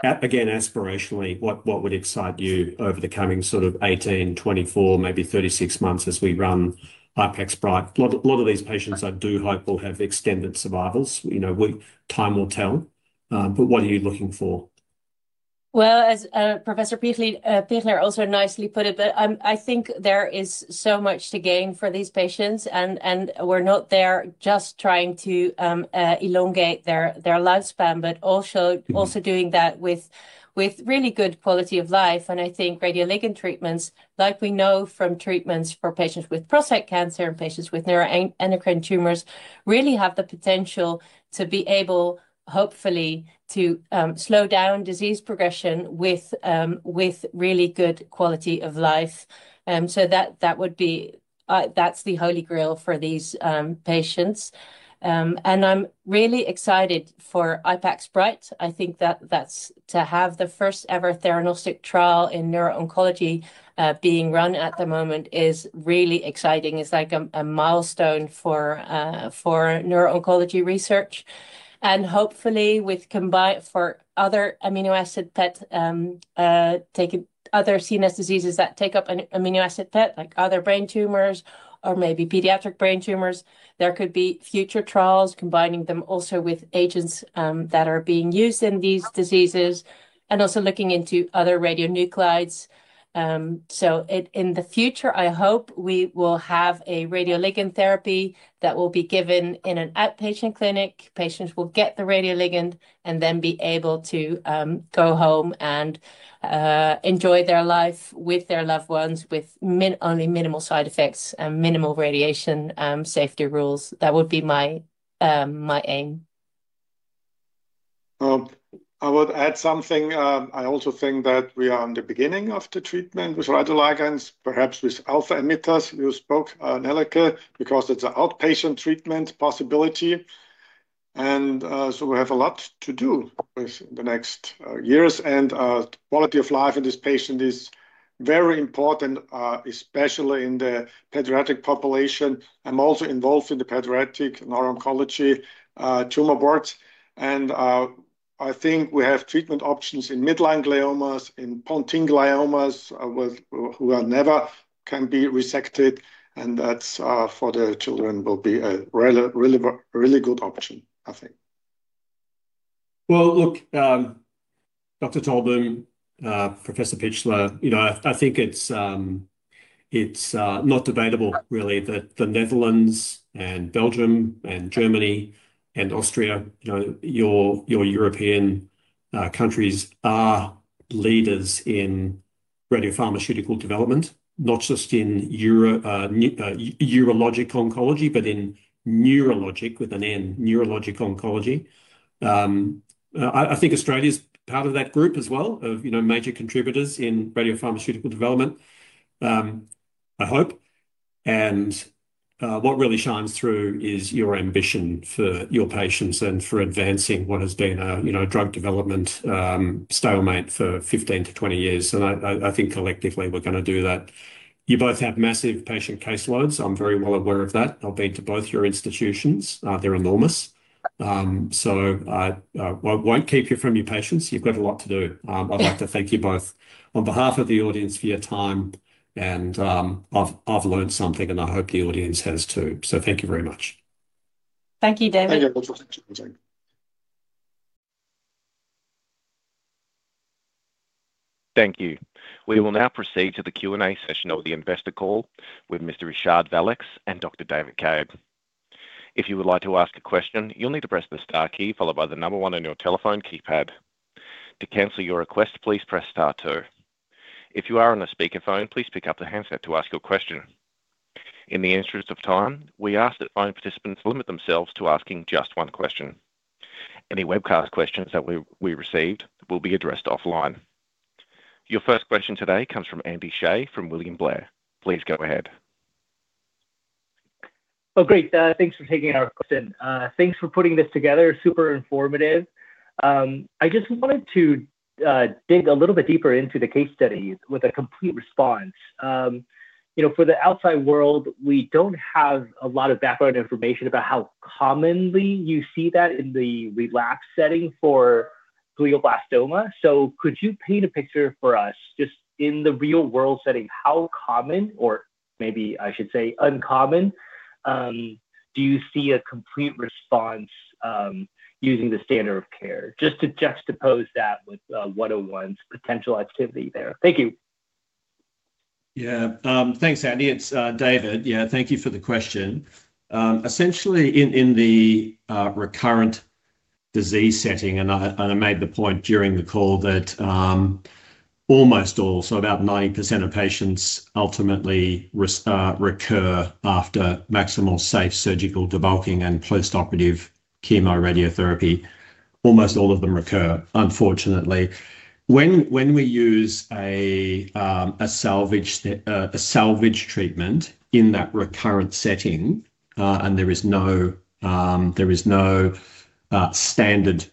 Again, aspirationally, what would excite you over the coming sort of 18, 24, maybe 36 months as we run IPAX BrIGHT? A lot of these patients I do hope will have extended survivals. Time will tell. What are you looking for? Well, as Professor Pichler also nicely put it, I think there is so much to gain for these patients. We're not there just trying to elongate their lifespan, but also. Doing that with really good quality of life. I think radioligand treatments, like we know from treatments for patients with prostate cancer and patients with neuroendocrine tumors, really have the potential to be able, hopefully, to slow down disease progression with really good quality of life. That's the holy grail for these patients. I'm really excited for IPAX BrIGHT. I think that to have the first ever theranostic trial in neuro-oncology being run at the moment is really exciting. It's like a milestone for neuro-oncology research. Hopefully for other amino acid PET, other CNS diseases that take up an amino acid PET, like other brain tumors or maybe pediatric brain tumors, there could be future trials combining them also with agents that are being used in these diseases, and also looking into other radionuclides. In the future, I hope we will have a radioligand therapy that will be given in an outpatient clinic. Patients will get the radioligand and then be able to go home and enjoy their life with their loved ones with only minimal side effects and minimal radiation safety rules. That would be my aim. I would add something. I also think that we are in the beginning of the treatment with radioligands, perhaps with alpha emitters. You spoke, Nelleke, because it's an outpatient treatment possibility. We have a lot to do with the next years. Quality of life in this patient is very important, especially in the pediatric population. I'm also involved in the pediatric neuro-oncology tumor board, I think we have treatment options in midline gliomas, in pontine gliomas, who are never can be resected, that for the children will be a really good option, I think. Well, look, Dr. Tolboom, Professor Pichler, I think it's not debatable really that the Netherlands and Belgium and Germany and Austria, your European countries, are leaders in radiopharmaceutical development, not just in urologic oncology, but in neurologic, with an N, neurologic oncology. I think Australia's part of that group as well of major contributors in radiopharmaceutical development, I hope. What really shines through is your ambition for your patients and for advancing what has been a drug development stalemate for 15-20 years, and I think collectively we're going to do that. You both have massive patient caseloads. I'm very well aware of that. I've been to both your institutions. They're enormous. I won't keep you from your patients. You've got a lot to do. I'd like to thank you both on behalf of the audience for your time, and I've learned something, and I hope the audience has too. Thank you very much. Thank you, David. Thank you. Thanks for your time. Thank you. We will now proceed to the Q&A session of the investor call with Mr. Richard Valeix and Dr. David Cade. If you would like to ask a question, you will need to press the star key followed by the number one on your telephone keypad. To cancel your request, please press star two. If you are on a speakerphone, please pick up the handset to ask your question. In the interest of time, we ask that phone participants limit themselves to asking just one question. Any webcast questions that we received will be addressed offline. Your first question today comes from Andy Hsieh from William Blair. Please go ahead. Great. Thanks for taking our question. Thanks for putting this together, super informative. I just wanted to dig a little bit deeper into the case studies with a complete response. For the outside world, we do not have a lot of background information about how commonly you see that in the relapsed setting for glioblastoma. Could you paint a picture for us just in the real-world setting, how common, or maybe I should say uncommon, do you see a complete response using the standard of care? Just to juxtapose that with 101's potential activity there. Thank you. Thanks, Andy. It is David. Thank you for the question. Essentially in the recurrent disease setting, I made the point during the call that almost all, about 90% of patients ultimately recur after maximal safe surgical debulking and postoperative chemoradiotherapy. Almost all of them recur, unfortunately. When we use a salvage treatment in that recurrent setting, and there is no standard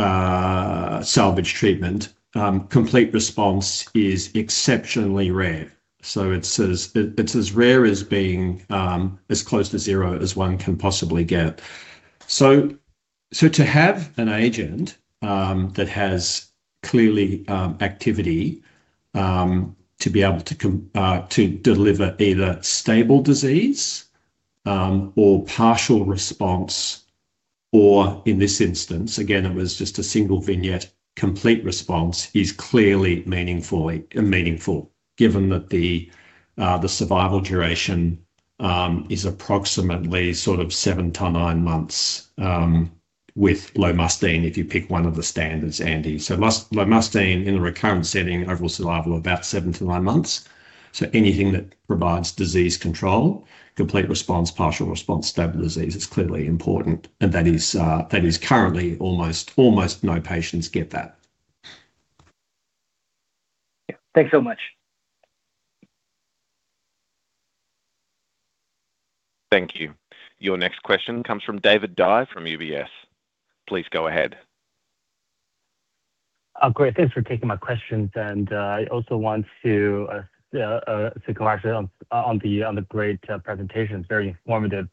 salvage treatment, complete response is exceptionally rare. It is as rare as being as close to zero as one can possibly get. To have an agent that has clearly activity to be able to deliver either stable disease or partial response or, in this instance, again, it was just a single vignette, complete response is clearly meaningful given that the survival duration is approximately seven to nine months with lomustine, if you pick one of the standards, Andy. Lomustine in the recurrent setting, overall survival of about seven to nine months. Anything that provides disease control, complete response, partial response, stable disease is clearly important. That is currently almost no patients get that. Yeah. Thanks so much. Thank you. Your next question comes from David Dai from UBS. Please go ahead. Great. Thanks for taking my questions, and I also want to congratulate on the great presentation. It's very informative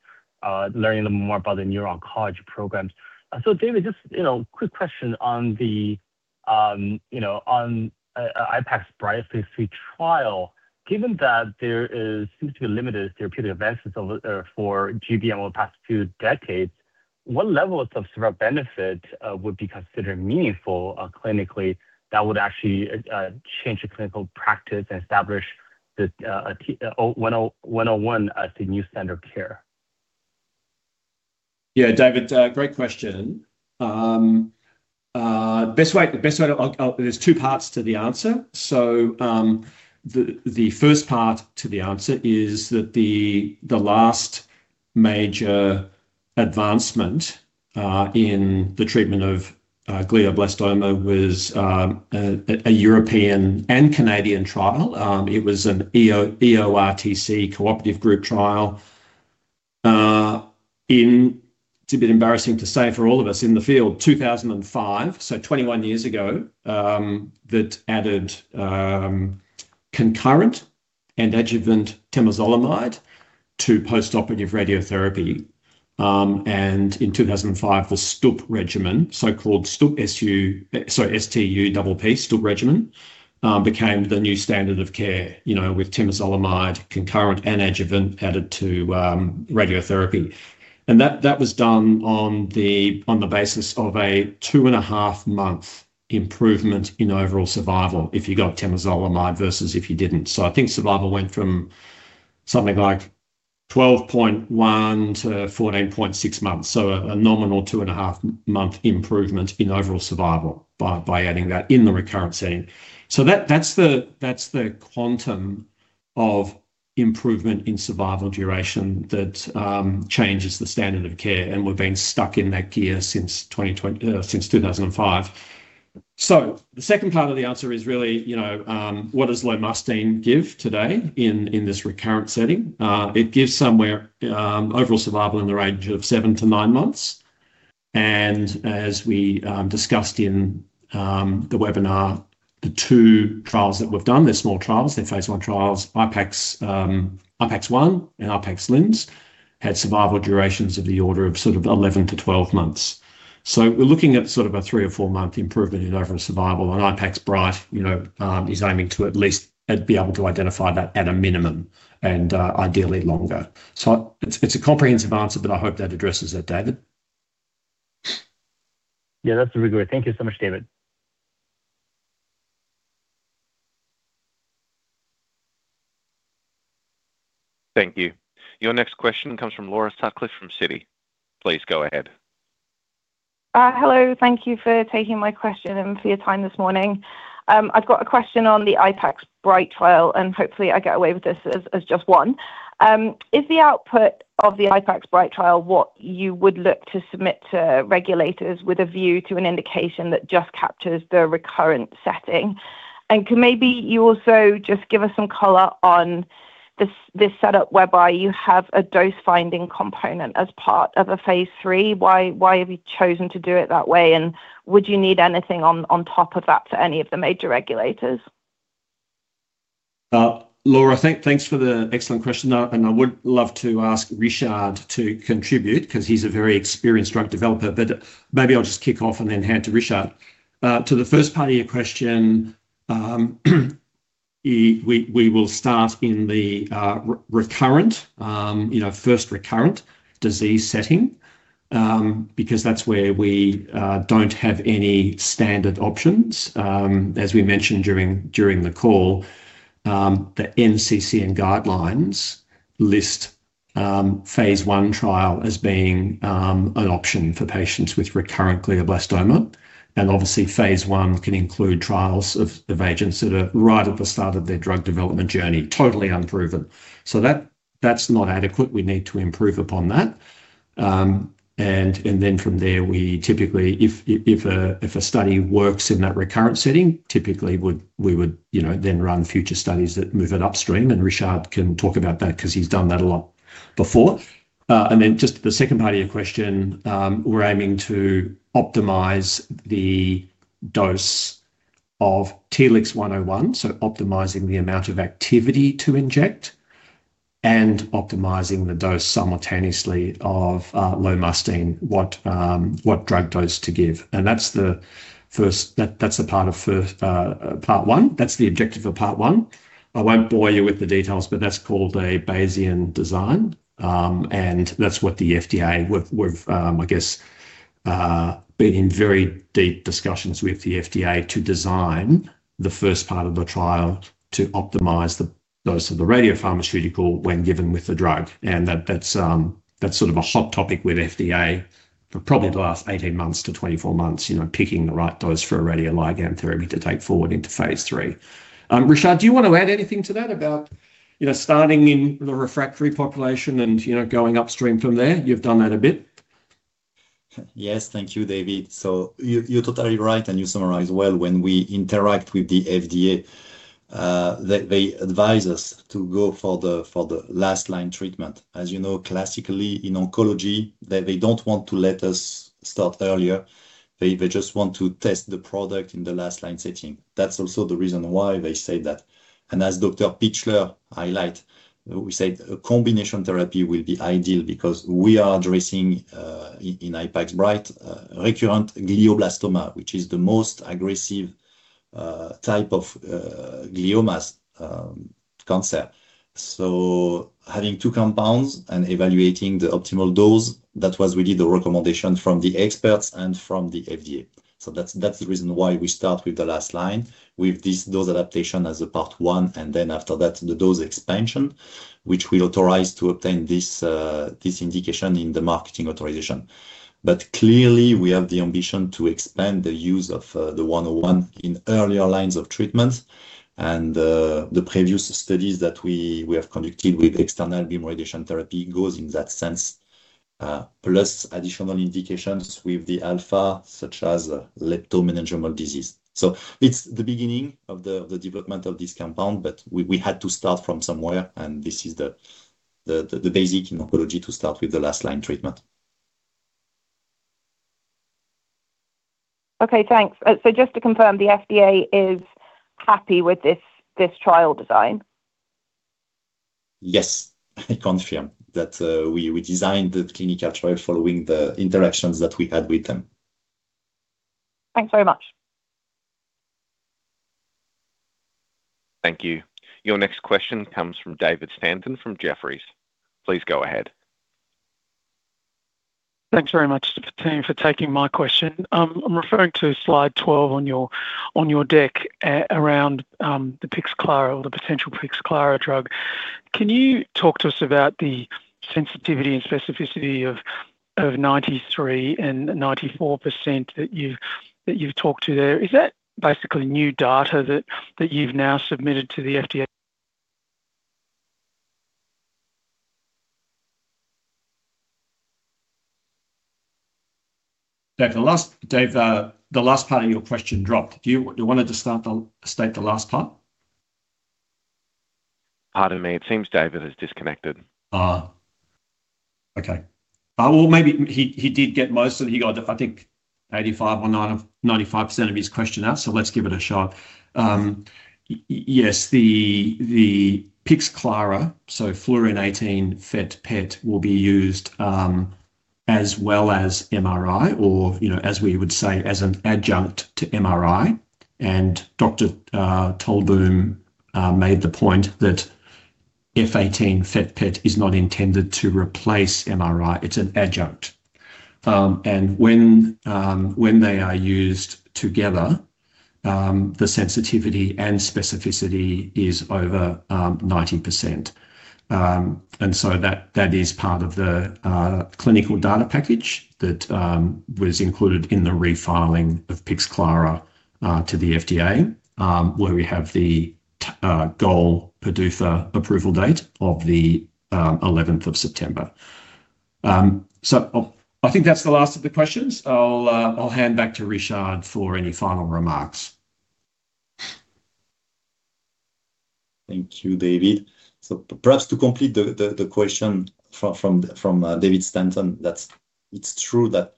learning more about the neuro-oncology programs. David, just quick question on the IPAX BrIGHT phase III trial. Given that there seems to be limited therapeutic advances for GBM over the past few decades, what level of survival benefit would be considered meaningful clinically that would actually change the clinical practice and establish the 101 as the new standard of care? Yeah. David, great question. There's two parts to the answer. The first part to the answer is that the last major advancement in the treatment of glioblastoma was a European and Canadian trial. It was an EORTC cooperative group trial in, it's a bit embarrassing to say for all of us in the field, 2005, 21 years ago, that added concurrent and adjuvant temozolomide to postoperative radiotherapy. In 2005, the Stupp regimen, so-called Stupp, S-T-U-P-P, Stupp regimen, became the new standard of care with temozolomide concurrent and adjuvant added to radiotherapy. That was done on the basis of a two-and-a-half month improvement in overall survival if you got temozolomide versus if you didn't. I think survival went from something like 12.1-14.6 months, a nominal two-and-a-half-month improvement in overall survival by adding that in the recurrent setting. That's the quantum of improvement in survival duration that changes the standard of care, and we've been stuck in that gear since 2005. The second part of the answer is really what does lomustine give today in this recurrent setting? It gives somewhere overall survival in the range of seven to nine months. As we discussed in the webinar, the two trials that we've done, they're small trials, they're phase I trials, IPAX-1 and IPAX-Linz, had survival durations of the order of sort of 11-12 months. We're looking at a three or four-month improvement in overall survival, and IPAX BrIGHT is aiming to at least be able to identify that at a minimum and ideally longer. It's a comprehensive answer, but I hope that addresses it, David. Yeah, that's really great. Thank you so much, David. Thank you. Your next question comes from Laura Sutcliffe from Citi. Please go ahead. Hello. Thank you for taking my question and for your time this morning. I've got a question on the IPAX BrIGHT trial, hopefully I get away with this as just one. Is the output of the IPAX BrIGHT trial what you would look to submit to regulators with a view to an indication that just captures the recurrent setting? Could maybe you also just give us some color on this setup whereby you have a dose-finding component as part of a phase III. Why have you chosen to do it that way, and would you need anything on top of that for any of the major regulators? Laura, thanks for the excellent question. I would love to ask Richard to contribute because he's a very experienced drug developer. Maybe I'll just kick off and then hand to Richard. To the first part of your question, we will start in the first recurrent disease setting because that's where we don't have any standard options. As we mentioned during the call, the NCCN guidelines list phase I trial as being an option for patients with recurrent glioblastoma, and obviously, phase I can include trials of agents that are right at the start of their drug development journey, totally unproven. That's not adequate. We need to improve upon that. From there, if a study works in that recurrent setting, typically, we would then run future studies that move it upstream, and Richard can talk about that because he's done that a lot before. Just the second part of your question, we're aiming to optimize the dose of TLX101, so optimizing the amount of activity to inject, and optimizing the dose simultaneously of lomustine, what drug dose to give. That's the objective for Part 1. I won't bore you with the details, that's called a Bayesian design. We've been in very deep discussions with the FDA to design the first part of the trial to optimize the dose of the radiopharmaceutical when given with the drug. That's sort of a hot topic with FDA for probably the last 18 months to 24 months, picking the right dose for a radioligand therapy to take forward into phase III. Richard, do you want to add anything to that about starting in the refractory population and going upstream from there? You've done that a bit. Yes. Thank you, David. You're totally right, and you summarized well. When we interact with the FDA, they advise us to go for the last line treatment. As you know, classically, in oncology, they don't want to let us start earlier. They just want to test the product in the last line setting. That's also the reason why they say that. As Dr. Pichler highlights, we say a combination therapy will be ideal because we are addressing, in IPAX BrIGHT, recurrent glioblastoma, which is the most aggressive type of gliomas cancer. Having two compounds and evaluating the optimal dose, that was really the recommendation from the experts and from the FDA. That's the reason why we start with the last line, with this dose adaptation as a Part 1, and after that, the dose expansion, which will authorize to obtain this indication in the marketing authorization. Clearly, we have the ambition to expand the use of the 101 in earlier lines of treatment, and the previous studies that we have conducted with external beam radiation therapy goes in that sense. Plus additional indications with the alpha, such as leptomeningeal disease. It's the beginning of the development of this compound, but we had to start from somewhere, and this is the basic in oncology to start with the last line treatment. Okay, thanks. Just to confirm, the FDA is happy with this trial design? Yes. I confirm that we designed the clinical trial following the interactions that we had with them. Thanks very much. Thank you. Your next question comes from David Stanton from Jefferies. Please go ahead. Thanks very much, the team, for taking my question. I'm referring to slide 12 on your deck, around the Pixclara or the potential Pixclara drug. Can you talk to us about the sensitivity and specificity of 93% and 94% that you've talked to there? Is that basically new data that you've now submitted to the FDA- David, the last part of your question dropped. Do you want to state the last part? Pardon me. It seems David has disconnected. Okay. Well, maybe he did get most of it. He got, I think 85% or 95% of his question out, let's give it a shot. Yes. The Pixclara, Fluorine-18 FET-PET will be used, as well as MRI, or as we would say, as an adjunct to MRI. Dr. Tolboom made the point that F18 FET-PET is not intended to replace MRI, it's an adjunct. When they are used together, the sensitivity and specificity is over 90%. That is part of the clinical data package that was included in the refiling of Pixclara to the FDA, where we have the goal PDUFA approval date of the 11th of September. I think that's the last of the questions. I'll hand back to Richard for any final remarks. Thank you, David. Perhaps to complete the question from David Stanton, that it's true that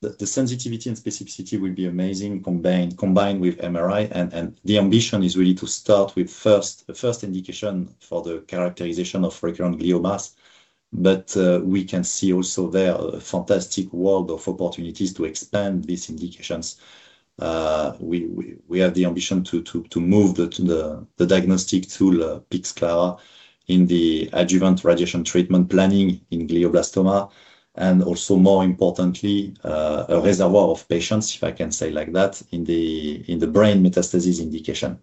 the sensitivity and specificity will be amazing combined with MRI. The ambition is really to start with first indication for the characterization of recurrent gliomas. We can see also there a fantastic world of opportunities to expand these indications. We have the ambition to move the diagnostic tool, Pixclara, in the adjuvant radiation treatment planning in glioblastoma, and also more importantly, a reservoir of patients, if I can say like that, in the brain metastasis indication.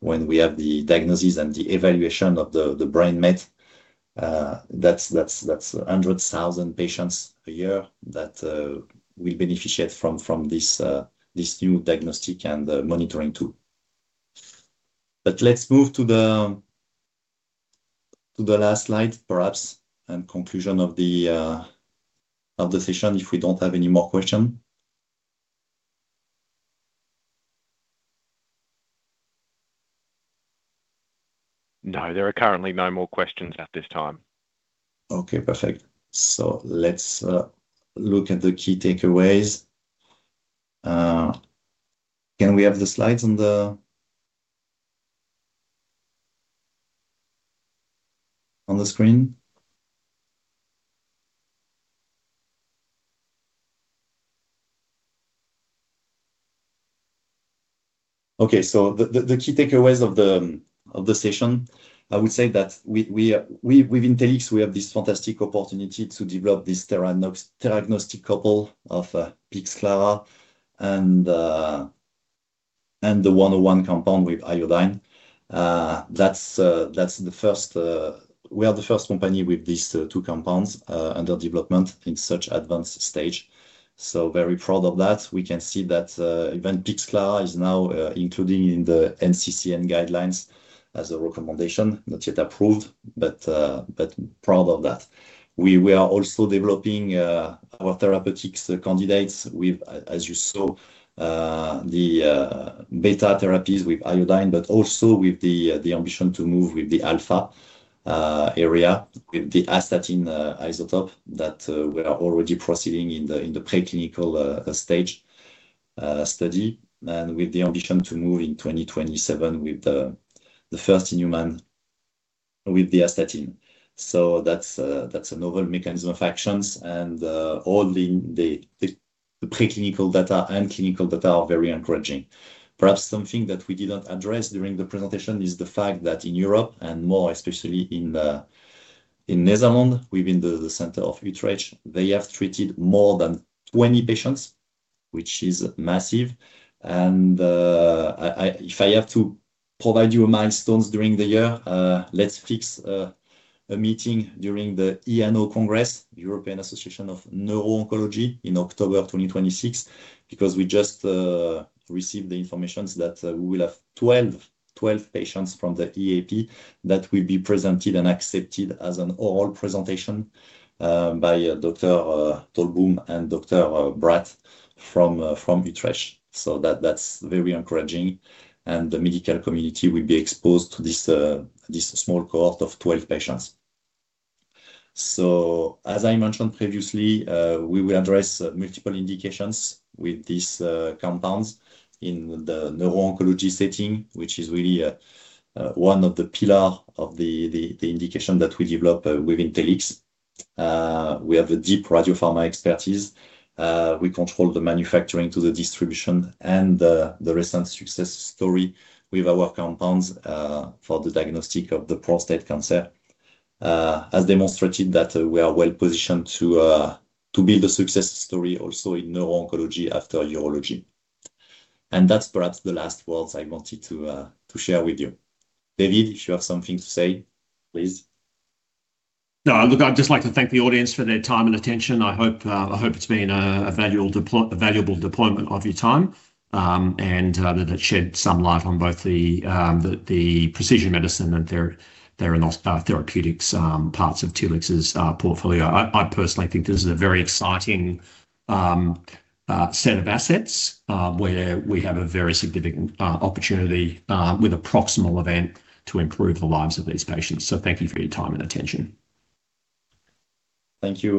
When we have the diagnosis and the evaluation of the brain met, that's 100,000 patients a year that will beneficiate from this new diagnostic and monitoring tool. Let's move to the last slide, perhaps, and conclusion of the session if we don't have any more question. No, there are currently no more questions at this time. Perfect. Let's look at the key takeaways. Can we have the slides on the screen? The key takeaways of the session, I would say that with Telix, we have this fantastic opportunity to develop this theranostic couple of Pixclara and the 101 compound with iodine. We are the first company with these two compounds under development in such advanced stage. Very proud of that. We can see that even Pixclara is now included in the NCCN guidelines as a recommendation. Not yet approved, proud of that. We are also developing our therapeutics candidates with, as you saw, the beta therapies with iodine, also with the ambition to move with the alpha area, with the astatine isotope that we are already proceeding in the preclinical stage study, and with the ambition to move in 2027 with the first-in-human with the astatine. That's a novel mechanism of actions, and all the preclinical data and clinical data are very encouraging. Perhaps something that we didn't address during the presentation is the fact that in Europe, and more especially in Netherlands, within the center of Utrecht, they have treated more than 20 patients, which is massive. If I have to provide you milestones during the year, let's fix a meeting during the EANO Congress, the European Association of Neuro-Oncology, in October 2026, because we just received the informations that we will have 12 patients from the EAP that will be presented and accepted as an oral presentation by Dr. Tolboom and Dr. Bratt from Utrecht. That's very encouraging, and the medical community will be exposed to this small cohort of 12 patients. As I mentioned previously, we will address multiple indications with these compounds in the neuro-oncology setting, which is really one of the pillar of the indication that we develop with Telix. We have a deep radiopharma expertise. We control the manufacturing to the distribution, and the recent success story with our compounds for the diagnostic of the prostate cancer has demonstrated that we are well-positioned to build a success story also in neuro-oncology after urology. That's perhaps the last words I wanted to share with you. David, if you have something to say, please. Look, I'd just like to thank the audience for their time and attention. I hope it's been a valuable deployment of your time, and that it shed some light on both the precision medicine and therapeutics parts of Telix's portfolio. I personally think this is a very exciting set of assets where we have a very significant opportunity with a proximal event to improve the lives of these patients. Thank you for your time and attention. Thank you.